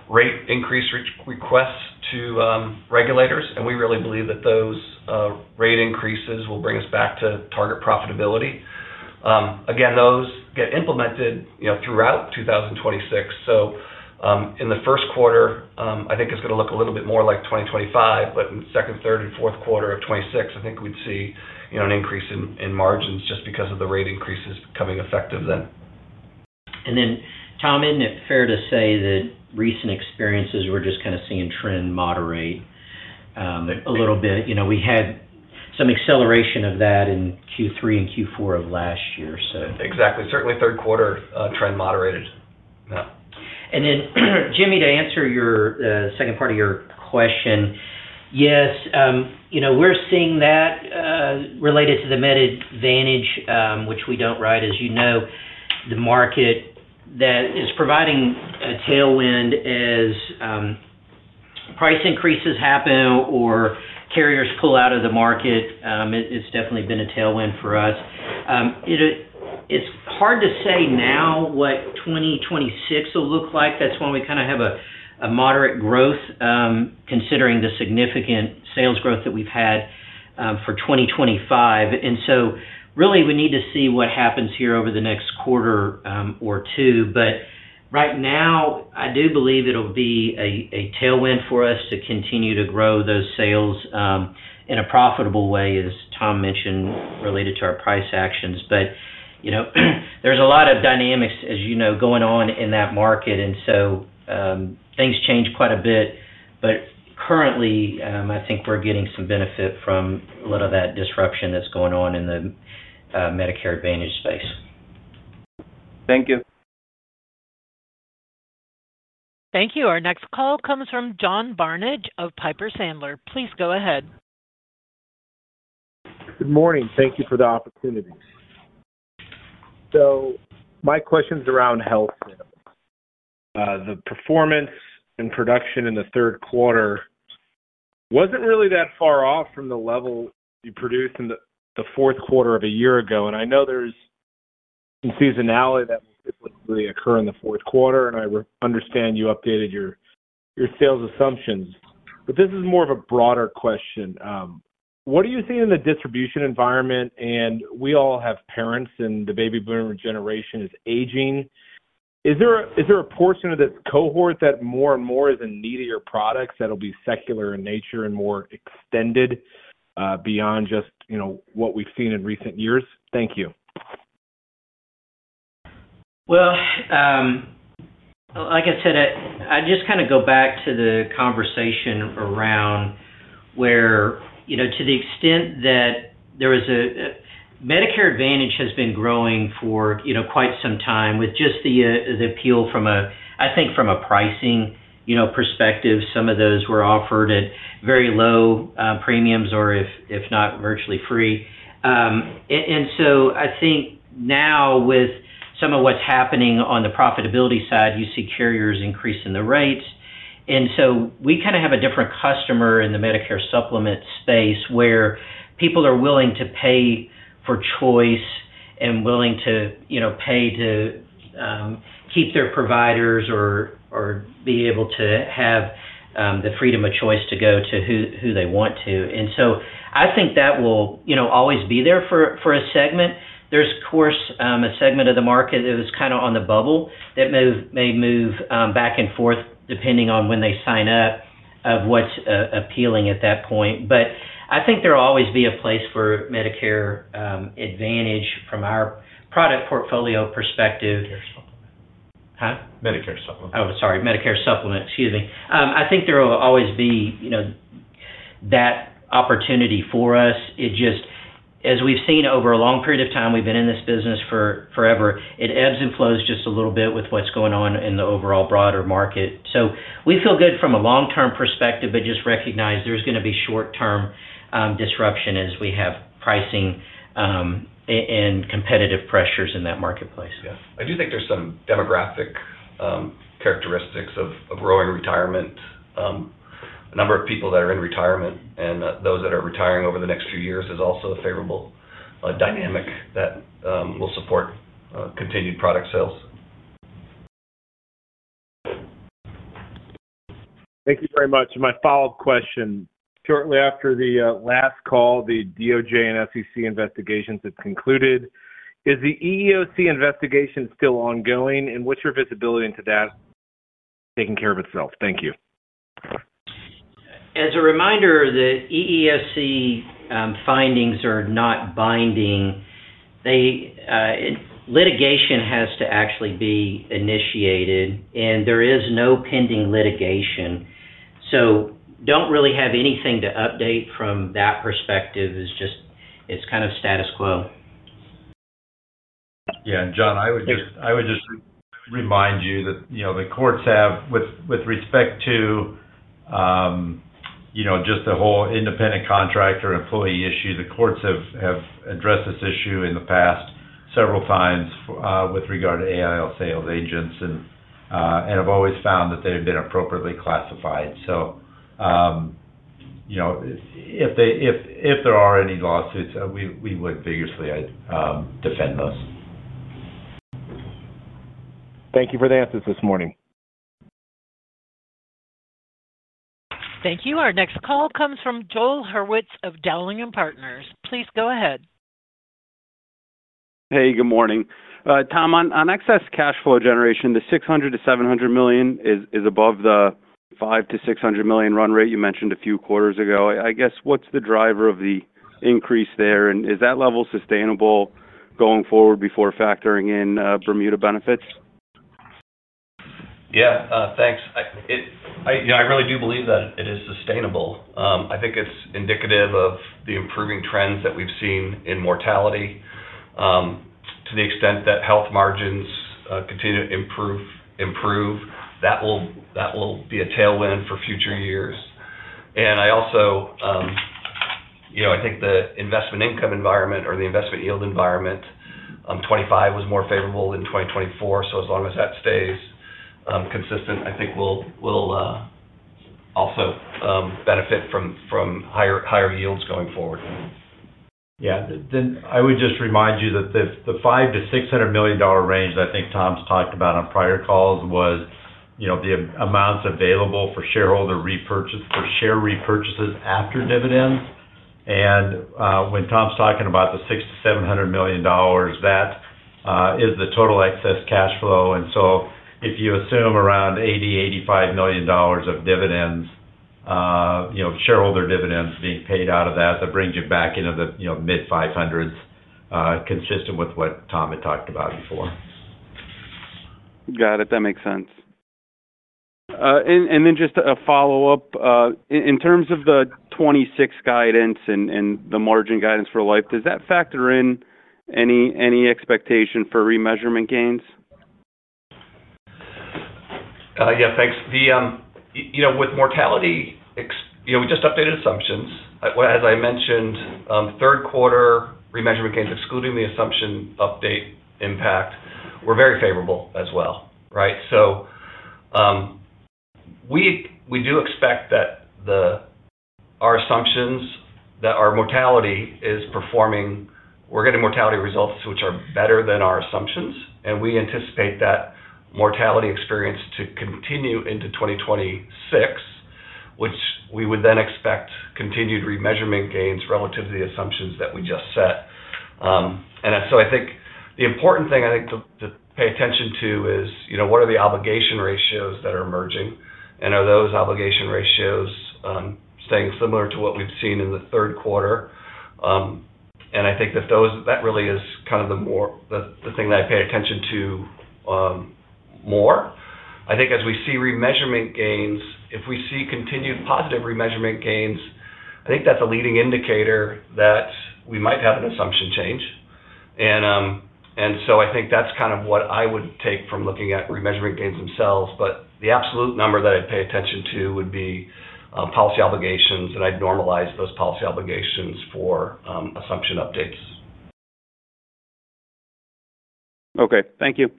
rate increase requests to regulators. We really believe that those rate increases will bring us back to target profitability. Those get implemented throughout 2026. In the first quarter, I think it's going to look a little bit more like 2025, but in the second, third, and fourth quarter of 2026, I think we'd see an increase in margins just because of the rate increases coming effective then. Tom, isn't it fair to say that recent experiences, we're just kind of seeing trend moderate a little bit? We had some acceleration of that in Q3 and Q4 of last year. Exactly. Certainly, third quarter trend moderated. Jimmy, to answer your second part of your question, yes, we're seeing that related to the Medicare Advantage, which we don't write, as you know, the market that is providing a tailwind as price increases happen or carriers pull out of the market. It's definitely been a tailwind for us. It's hard to say now what 2026 will look like. That's why we kind of have a moderate growth, considering the significant sales growth that we've had for 2025. We need to see what happens here over the next quarter or two. Right now, I do believe it'll be a tailwind for us to continue to grow those sales in a profitable way, as Tom mentioned, related to our price actions. There are a lot of dynamics, as you know, going on in that market, and things change quite a bit. Currently, I think we're getting some benefit from a lot of that disruption that's going on in the Medicare Advantage space. Thank you. Thank you. Our next call comes from John Barnidge of Piper Sandler. Please go ahead. Good morning. Thank you for the opportunity. My question is around health sales. The performance and production in the third quarter wasn't really that far off from the level you produced in the fourth quarter of a year ago. I know there's some seasonality that will typically occur in the fourth quarter, and I understand you updated your sales assumptions. This is more of a broader question. What are you seeing in the distribution environment? We all have parents, and the baby boomer generation is aging. Is there a portion of this cohort that more and more is in need of your products that'll be secular in nature and more extended beyond just what we've seen in recent years? Thank you. I just kind of go back to the conversation around where, you know, to the extent that there is a Medicare Advantage has been growing for, you know, quite some time with just the appeal from a, I think, from a pricing, you know, perspective. Some of those were offered at very low premiums or if not virtually free. I think now with some of what's happening on the profitability side, you see carriers increasing the rates. We kind of have a different customer in the Medicare Supplement space where people are willing to pay for choice and willing to, you know, pay to keep their providers or be able to have the freedom of choice to go to who they want to. I think that will, you know, always be there for a segment. There's, of course, a segment of the market that was kind of on the bubble that may move back and forth depending on when they sign up of what's appealing at that point. I think there will always be a place for Medicare Advantage from our product portfolio perspective. Medicare supplement. Medicare Supplement, excuse me. I think there will always be, you know, that opportunity for us. As we've seen over a long period of time, we've been in this business forever. It ebbs and flows just a little bit with what's going on in the overall broader market. We feel good from a long-term perspective, but just recognize there's going to be short-term disruption as we have pricing and competitive pressures in that marketplace. Yeah, I do think there's some demographic characteristics of growing retirement. A number of people that are in retirement and those that are retiring over the next few years is also a favorable dynamic that will support continued product sales. Thank you very much. My follow-up question, shortly after the last call, the DOJ and SEC investigations have concluded. Is the EEOC investigation still ongoing, and what's your visibility into that taking care of itself? Thank you. As a reminder, the EEOC findings are not binding. Litigation has to actually be initiated, and there is no pending litigation. Don't really have anything to update from that perspective. It's just kind of status quo. Yeah. John, I would just remind you that the courts have, with respect to the whole independent contractor employee issue, addressed this issue in the past several times with regard to American Income Life sales agents and have always found that they've been appropriately classified. If there are any lawsuits, we would vigorously defend those. Thank you for the answers this morning. Thank you. Our next call comes from Joel Hurwitz of Dowling and Partners. Please go ahead. Hey, good morning. Tom, on excess cash flow generation, the $600 million-$700 million is above the $500 million-$600 million run rate you mentioned a few quarters ago. I guess, what's the driver of the increase there? Is that level sustainable going forward before factoring in Bermuda benefits? Yeah, thanks. I really do believe that it is sustainable. I think it's indicative of the improving trends that we've seen in mortality. To the extent that health margins continue to improve, that will be a tailwind for future years. I also think the investment income environment or the investment yield environment, 2025 was more favorable than 2024. As long as that stays consistent, I think we'll also benefit from higher yields going forward. I would just remind you that the $500 million-$600 million range that I think Tom's talked about on prior calls was the amounts available for share repurchases after dividends. When Tom's talking about the $600 million-$700 million, that is the total excess cash flow. If you assume around $80 million-$85 million of dividends, shareholder dividends being paid out of that, that brings you back into the mid-$500 million range, consistent with what Tom had talked about before. Got it. That makes sense. In terms of the 2026 guidance and the margin guidance for life, does that factor in any expectation for remeasurement gains? Yeah, thanks. With mortality, we just updated assumptions. As I mentioned, third quarter remeasurement gains, excluding the assumption update impact, were very favorable as well, right? We do expect that our assumptions, that our mortality is performing, we're getting mortality results which are better than our assumptions. We anticipate that mortality experience to continue into 2026, which we would then expect continued remeasurement gains relative to the assumptions that we just set. I think the important thing to pay attention to is, what are the obligation ratios that are emerging? Are those obligation ratios staying similar to what we've seen in the third quarter? I think that really is kind of the thing that I pay attention to more. If we see continued positive remeasurement gains, I think that's a leading indicator that we might have an assumption change. I think that's kind of what I would take from looking at remeasurement gains themselves. The absolute number that I'd pay attention to would be policy obligations, and I'd normalize those policy obligations for assumption updates. Okay, thank you.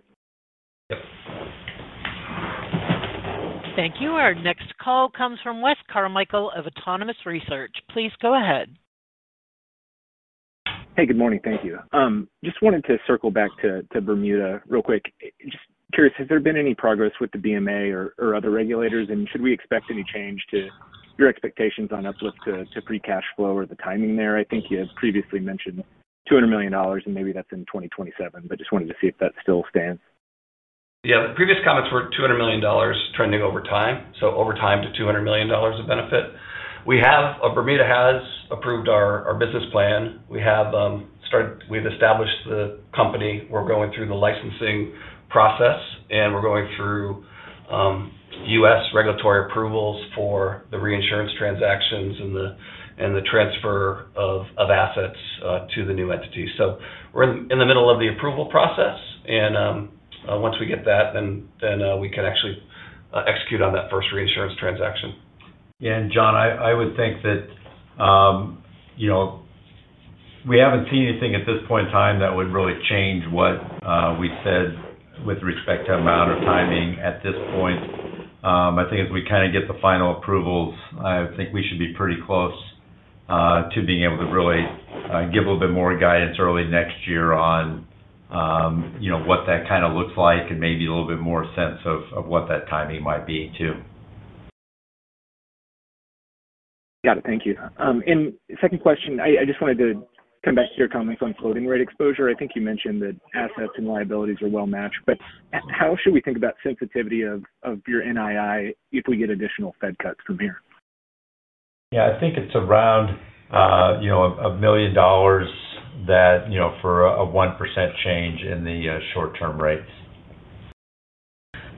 Yep. Thank you. Our next call comes from Wes Carmichael of Autonomous Research. Please go ahead. Hey, good morning. Thank you. Just wanted to circle back to Bermuda real quick. Just curious, has there been any progress with the BMA or other regulators? Should we expect any change to your expectations on uplift to pre-cash flow or the timing there? I think you had previously mentioned $200 million, and maybe that's in 2027, just wanted to see if that still stands. Yeah. Previous comments were $200 million trending over time, so over time to $200 million of benefit. Bermuda has approved our business plan. We have started, we've established the company. We're going through the licensing process, and we're going through U.S. regulatory approvals for the reinsurance transactions and the transfer of assets to the new entity. We're in the middle of the approval process. Once we get that, then we can actually execute on that first reinsurance transaction. Yeah, John, I would think that we haven't seen anything at this point in time that would really change what we said with respect to amount or timing at this point. I think as we get the final approvals, we should be pretty close to being able to really give a little bit more guidance early next year on what that kind of looks like and maybe a little bit more sense of what that timing might be too. Got it. Thank you. Second question, I just wanted to come back to your comments on floating rate exposure. I think you mentioned that assets and liabilities are well matched. How should we think about sensitivity of your NII if we get additional Fed cuts from here? I think it's around $1 million for a 1% change in the short-term rates.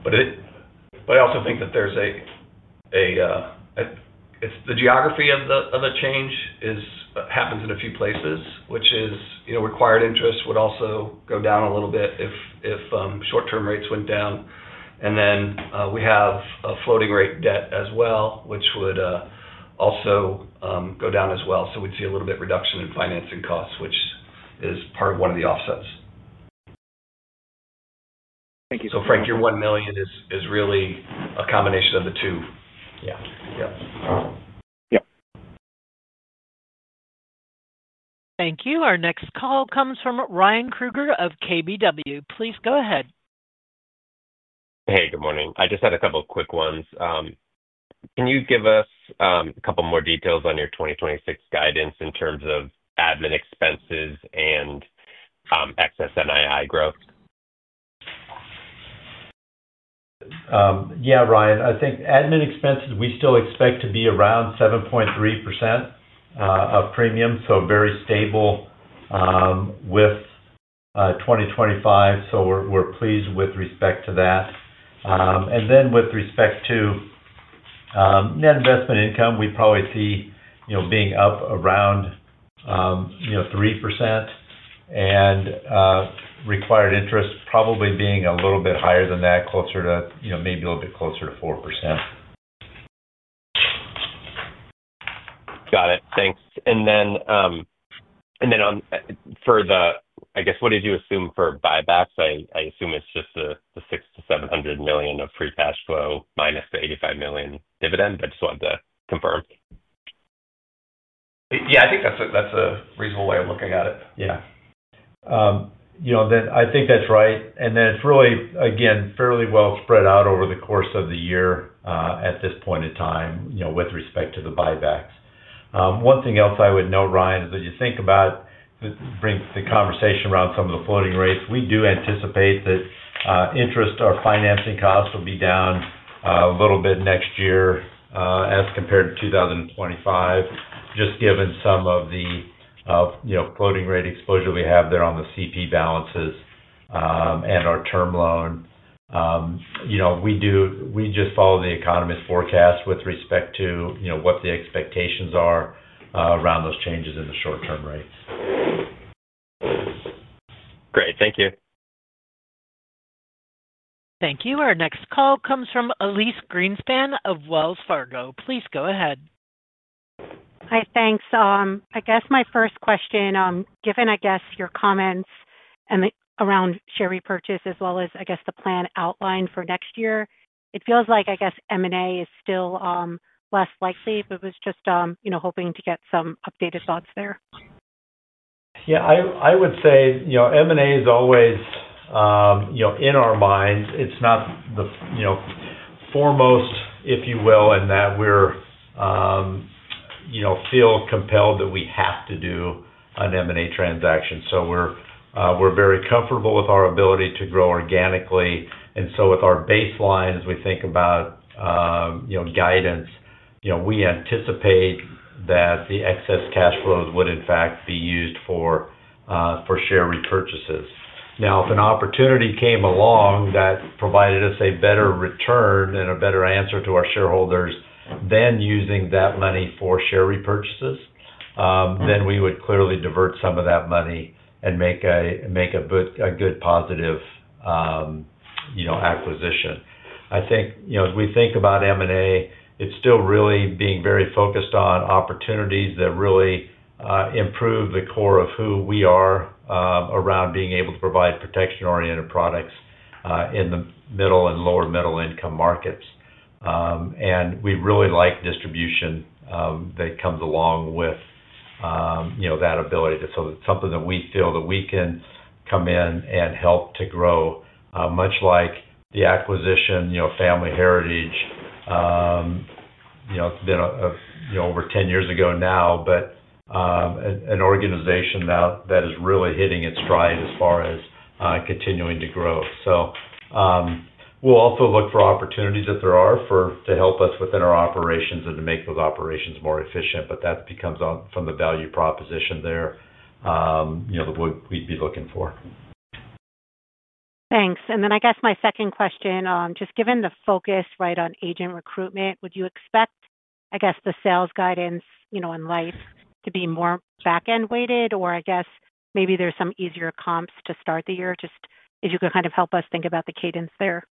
I also think that it's the geography of the change happens in a few places, which is, you know, required interest would also go down a little bit if short-term rates went down. We have a floating rate debt as well, which would also go down as well. We'd see a little bit of reduction in financing costs, which is part of one of the offsets. Thank you. Frank, your $1 million is really a combination of the two. Yeah. Yeah. Thank you. Our next call comes from Ryan Krueger of KBW. Please go ahead. Hey, good morning. I just had a couple of quick ones. Can you give us a couple more details on your 2026 guidance in terms of administrative expenses and excess NII growth? Yeah, Ryan, I think administrative expenses we still expect to be around 7.3% of premium, so very stable with 2025. We're pleased with respect to that. With respect to net investment income, we'd probably see being up around 3% and required interest probably being a little bit higher than that, maybe a little bit closer to 4%. Got it. Thanks. For the, I guess, what did you assume for buybacks? I assume it's just the $600 million-$700 million of free cash flow minus the $85 million dividend. I just wanted to confirm. Yeah, I think that's a reasonable way of looking at it. Yeah. I think that's right. It's really, again, fairly well spread out over the course of the year at this point in time with respect to the buybacks. One thing else I would note, Ryan, is that you think about, it brings the conversation around some of the floating rates. We do anticipate that interest or financing costs will be down a little bit next year as compared to 2025, just given some of the floating rate exposure we have there on the CP balances and our term loan. We just follow the economist forecast with respect to what the expectations are around those changes in the short-term rates. Great. Thank you. Thank you. Our next call comes from Elyse Greenspan of Wells Fargo. Please go ahead. Hi, thanks. I guess my first question, given your comments around share repurchase as well as the plan outlined for next year, it feels like M&A is still less likely, but I was just hoping to get some updated thoughts there. Yeah, I would say M&A is always in our minds. It's not the foremost, if you will, in that we feel compelled that we have to do an M&A transaction. We're very comfortable with our ability to grow organically. With our baseline, as we think about guidance, we anticipate that the excess cash flows would in fact be used for share repurchases. Now, if an opportunity came along that provided us a better return and a better answer to our shareholders than using that money for share repurchases, then we would clearly divert some of that money and make a good positive acquisition. As we think about M&A, it's still really being very focused on opportunities that really improve the core of who we are around being able to provide protection-oriented products in the middle and lower middle-income markets. We really like distribution that comes along with that ability to, so that's something that we feel that we can come in and help to grow, much like the acquisition Family Heritage. It's been over 10 years ago now, but an organization that is really hitting its stride as far as continuing to grow. We'll also look for opportunities if there are to help us within our operations and to make those operations more efficient. That becomes from the value proposition there that we'd be looking for. Thanks. My second question, just given the focus on agent recruitment, would you expect the sales guidance in life to be more backend weighted? Maybe there are some easier comps to start the year. If you could kind of help us think about the cadence there.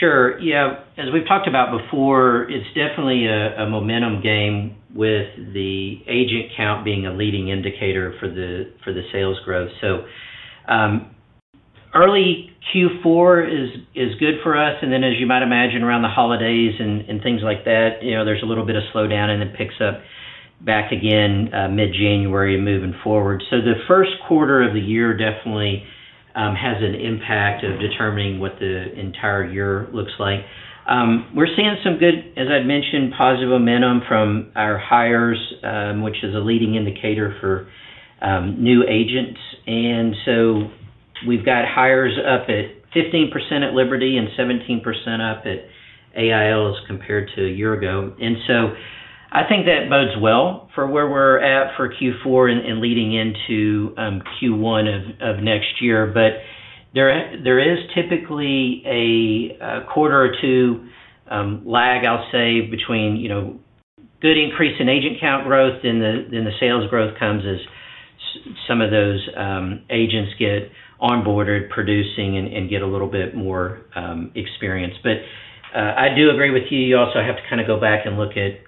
Sure. Yeah, as we've talked about before, it's definitely a momentum game with the agent count being a leading indicator for the sales growth. Early Q4 is good for us. As you might imagine, around the holidays and things like that, there's a little bit of slowdown, and then it picks up back again mid-January and moving forward. The first quarter of the year definitely has an impact of determining what the entire year looks like. We're seeing some good, as I'd mentioned, positive momentum from our hires, which is a leading indicator for new agents. We've got hires up at 15% at Liberty and 17% up at AIL as compared to a year ago. I think that bodes well for where we're at for Q4 and leading into Q1 of next year. There is typically a quarter or two lag between good increase in agent count growth, then the sales growth comes as some of those agents get onboarded, producing, and get a little bit more experience. I do agree with you. You also have to kind of go back and look at,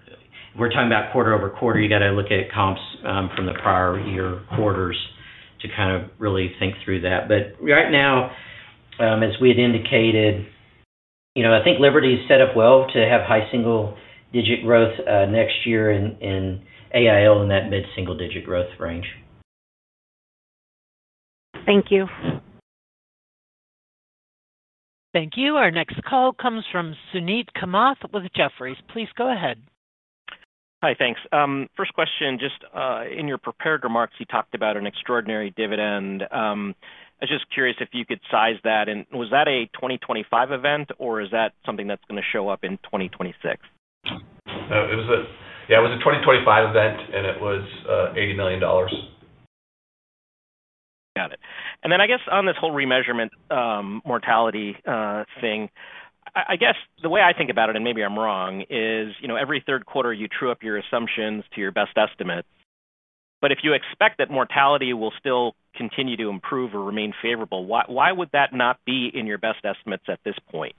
we're talking about quarter over quarter. You got to look at comps from the prior year quarters to kind of really think through that. Right now, as we had indicated. I think Liberty is set up well to have high single-digit growth next year, and AIL in that mid-single-digit growth range. Thank you. Thank you. Our next call comes from Suneet Kamath with Jefferies. Please go ahead. Hi, thanks. First question, in your prepared remarks, you talked about an extraordinary dividend. I was just curious if you could size that, and was that a 2025 event, or is that something that's going to show up in 2026? It was a 2025 event, and it was $80 million. Got it. I guess on this whole remeasurement, mortality thing, the way I think about it, and maybe I'm wrong, is, you know, every third quarter you true up your assumptions to your best estimates. If you expect that mortality will still continue to improve or remain favorable, why would that not be in your best estimates at this point?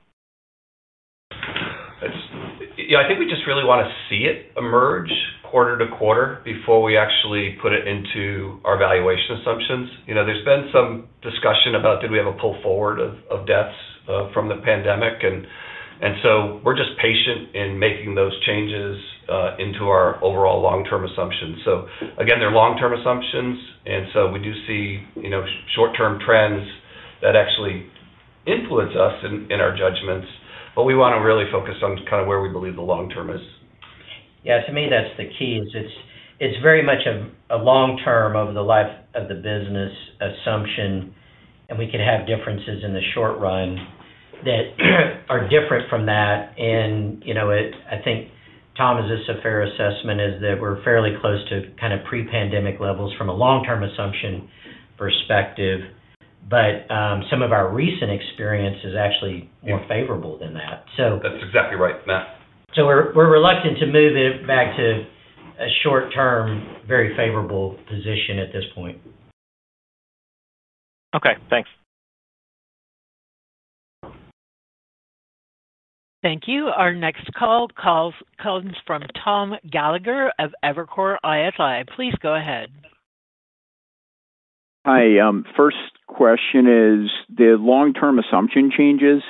I think we just really want to see it emerge quarter-to-quarter before we actually put it into our valuation assumptions. There's been some discussion about did we have a pull forward of deaths from the pandemic, and we are just patient in making those changes into our overall long-term assumptions. Again, they're long-term assumptions, and we do see short-term trends that actually influence us in our judgments, but we want to really focus on where we believe the long term is. Yeah, to me, that's the key, it's very much a long-term, over-the-life-of-the-business assumption, and we could have differences in the short run that are different from that. I think, Thomas, this is a fair assessment, that we're fairly close to pre-pandemic levels from a long-term assumption perspective, but some of our recent experience is actually more favorable than that. That's exactly right, Matt. We're reluctant to move it back to a short-term, very favorable position at this point. Okay. Thanks. Thank you. Our next call comes from Tom Gallagher of Evercore ISI. Please go ahead. Hi. First question is, the long-term assumption changes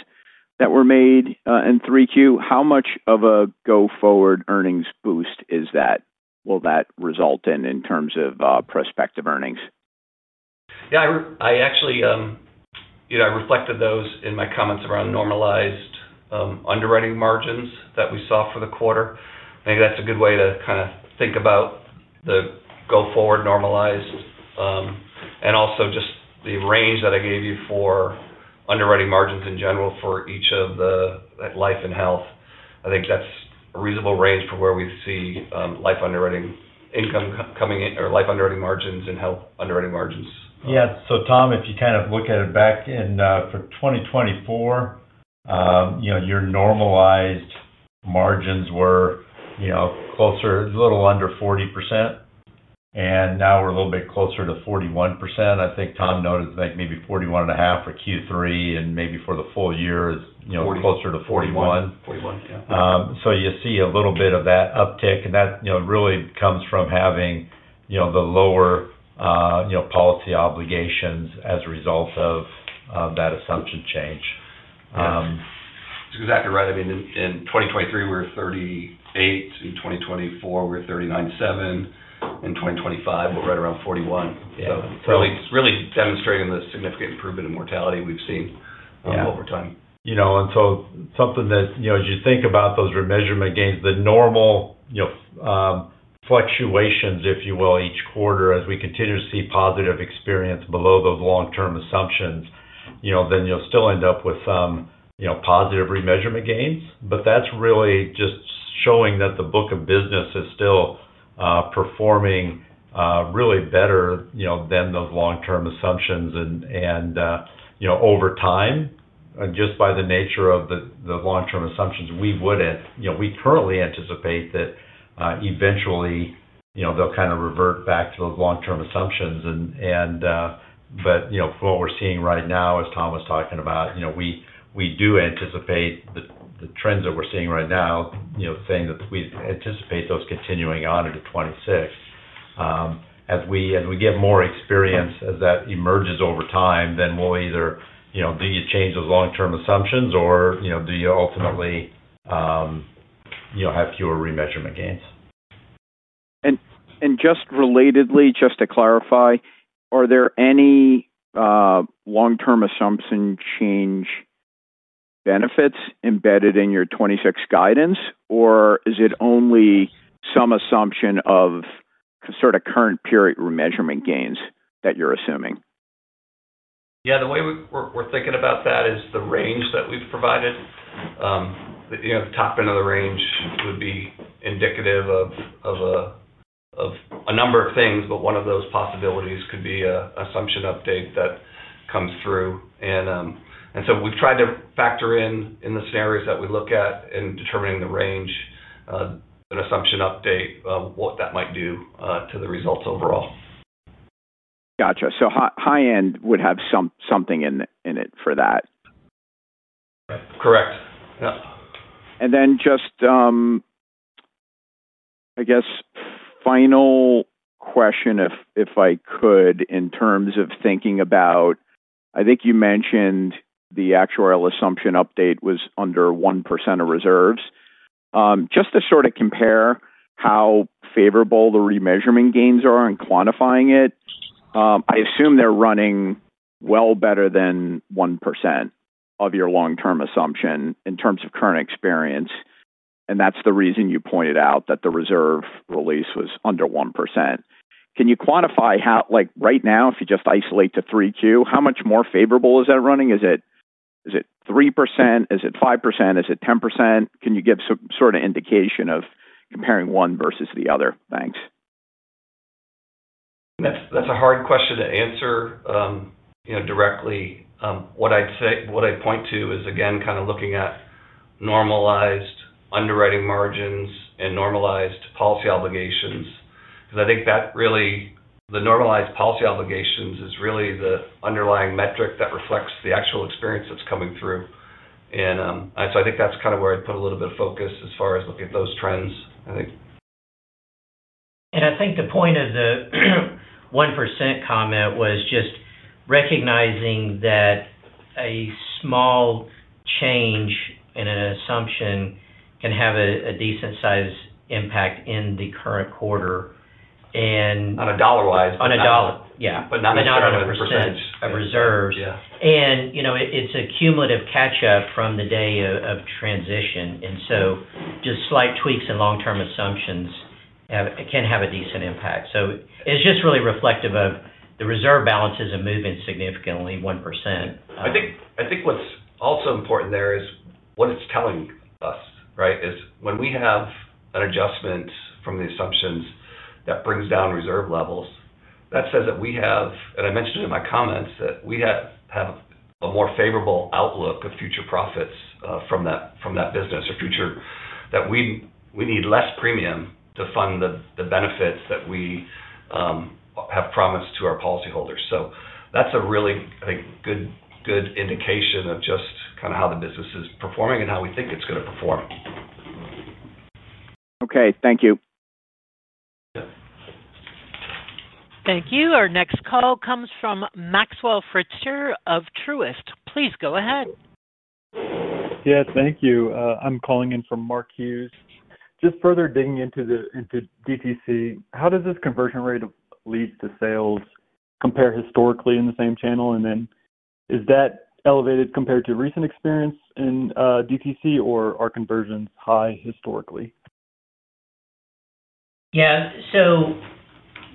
that were made in 3Q, how much of a go-forward earnings boost is that? Will that result in, in terms of, prospective earnings? I actually, you know, I reflected those in my comments around normalized underwriting margins that we saw for the quarter. I think that's a good way to think about the go-forward normalized, and also just the range that I gave you for underwriting margins in general for each of the, like, life and health. I think that's a reasonable range for where we see life underwriting income coming in or life underwriting margins and health underwriting margins. Yeah. Tom, if you kind of look at it back in, for 2024, your normalized margins were, you know, closer, a little under 40%, and now we're a little bit closer to 41%. I think Tom noted that maybe 41.5% for Q3 and maybe for the full year is, you know, closer to 41%. You see a little bit of that uptick, and that really comes from having the lower policy obligations as a result of that assumption change. Yeah, that's exactly right. I mean, in 2023, we were 38. In 2024, we're 39.7. In 2025, we're right around 41. It is really, really demonstrating the significant improvement in mortality we've seen over time. Yeah, you know, as you think about those remeasurement gains, the normal fluctuations, if you will, each quarter, as we continue to see positive experience below those long-term assumptions, you'll still end up with some positive remeasurement gains. That's really just showing that the book of business is still performing really better than those long-term assumptions. Over time, just by the nature of the long-term assumptions, we currently anticipate that eventually they'll kind of revert back to those long-term assumptions. What we're seeing right now, as Tom was talking about, we do anticipate the trends that we're seeing right now, saying that we anticipate those continuing on into 2026. As we get more experience, as that emerges over time, then we'll either change those long-term assumptions or ultimately have fewer remeasurement gains. Just relatedly, just to clarify, are there any long-term assumption change benefits embedded in your 2026 guidance, or is it only some assumption of sort of current period remeasurement gains that you're assuming? Yeah. The way we're thinking about that is the range that we've provided. The top end of the range would be indicative of a number of things, but one of those possibilities could be an assumption update that comes through. We've tried to factor in, in the scenarios that we look at in determining the range, an assumption update, what that might do to the results overall. Gotcha. High-end would have something in it for that. Right. Correct. Yeah. I guess, final question, if I could, in terms of thinking about, I think you mentioned the actuarial assumption update was under 1% of reserves. Just to sort of compare how favorable the remeasurement gains are in quantifying it, I assume they're running well better than 1% of your long-term assumption in terms of current experience, and that's the reason you pointed out that the reserve release was under 1%. Can you quantify how, like, right now, if you just isolate to 3Q, how much more favorable is that running? Is it 3%? Is it 5%? Is it 10%? Can you give some sort of indication of comparing one versus the other banks? That's a hard question to answer directly. What I'd say, what I'd point to is, again, kind of looking at normalized underwriting margins and normalized policy obligations, because I think that really, the normalized policy obligations is really the underlying metric that reflects the actual experience that's coming through. I think that's kind of where I'd put a little bit of focus as far as looking at those trends, I think. I think the point of the 1% comment was just recognizing that a small change in an assumption can have a decent size impact in the current quarter. On a dollar-wise. On a dollar, yeah. Not on a %. On a reserve. It's a cumulative catch-up from the day of transition, and just slight tweaks in long-term assumptions can have a decent impact. It's just really reflective of the reserve balances moving significantly, 1%. I think what's also important there is what it's telling us, right, is when we have an adjustment from the assumptions that brings down reserve levels, that says that we have, and I mentioned it in my comments, that we have a more favorable outlook of future profits from that business or future, that we need less premium to fund the benefits that we have promised to our policyholders. That's a really, I think, good indication of just kind of how the business is performing and how we think it's going to perform. Okay, thank you. Yeah. Thank you. Our next call comes from Maxwell Fritscher of Truist. Please go ahead. Thank you. I'm calling in for Mark Hughes. Just further digging into the DTC channel, how does this conversion rate of leads to sales compare historically in the same channel, and is that elevated compared to recent experience in DTC, or are conversions high historically? Yeah.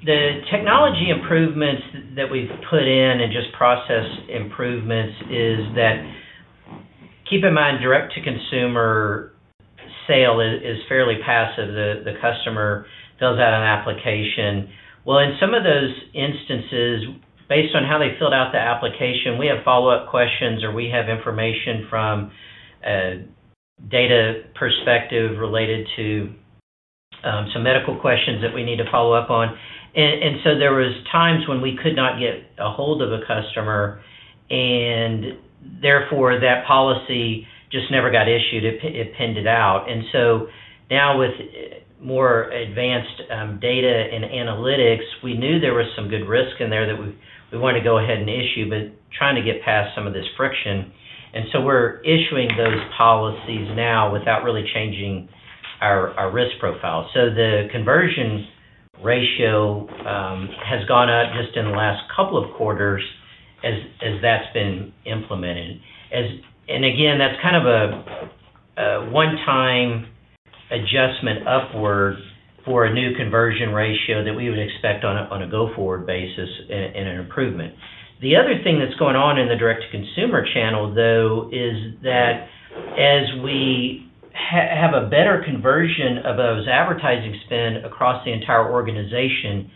The technology improvements that we've put in and just process improvements is that, keep in mind, direct-to-consumer sale is fairly passive. The customer fills out an application. In some of those instances, based on how they filled out the application, we have follow-up questions or we have information from a data perspective related to some medical questions that we need to follow up on. There were times when we could not get a hold of a customer, and therefore, that policy just never got issued. It pinned it out. Now, with more advanced data and analytics, we knew there was some good risk in there that we wanted to go ahead and issue, but trying to get past some of this friction. We're issuing those policies now without really changing our risk profile. The conversion ratio has gone up just in the last couple of quarters as that's been implemented. Again, that's kind of a one-time adjustment upward for a new conversion ratio that we would expect on a go-forward basis and an improvement. The other thing that's going on in the direct-to-consumer channel, though, is that as we have a better conversion of those advertising spend across the entire organization,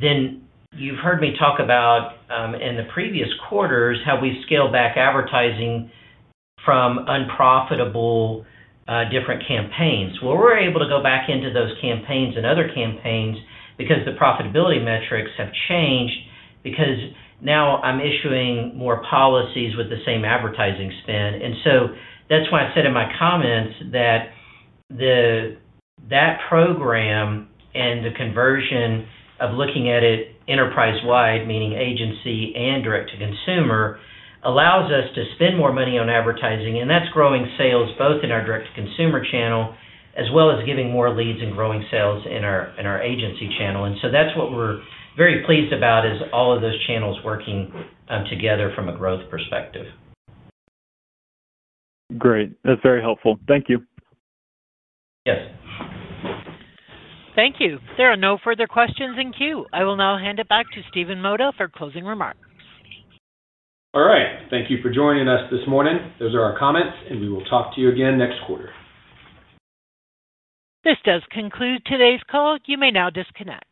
then you've heard me talk about in the previous quarters how we've scaled back advertising from unprofitable, different campaigns. We're able to go back into those campaigns and other campaigns because the profitability metrics have changed because now I'm issuing more policies with the same advertising spend. That's why I said in my comments that the program and the conversion of looking at it enterprise-wide, meaning agency and direct-to-consumer, allows us to spend more money on advertising, and that's growing sales both in our direct-to-consumer channel as well as giving more leads and growing sales in our agency channel. That's what we're very pleased about, is all of those channels working together from a growth perspective. Great. That's very helpful. Thank you. Thank you. There are no further questions in queue. I will now hand it back to Stephen Mota for closing remarks. All right. Thank you for joining us this morning. Those are our comments, and we will talk to you again next quarter. This does conclude today's call. You may now disconnect.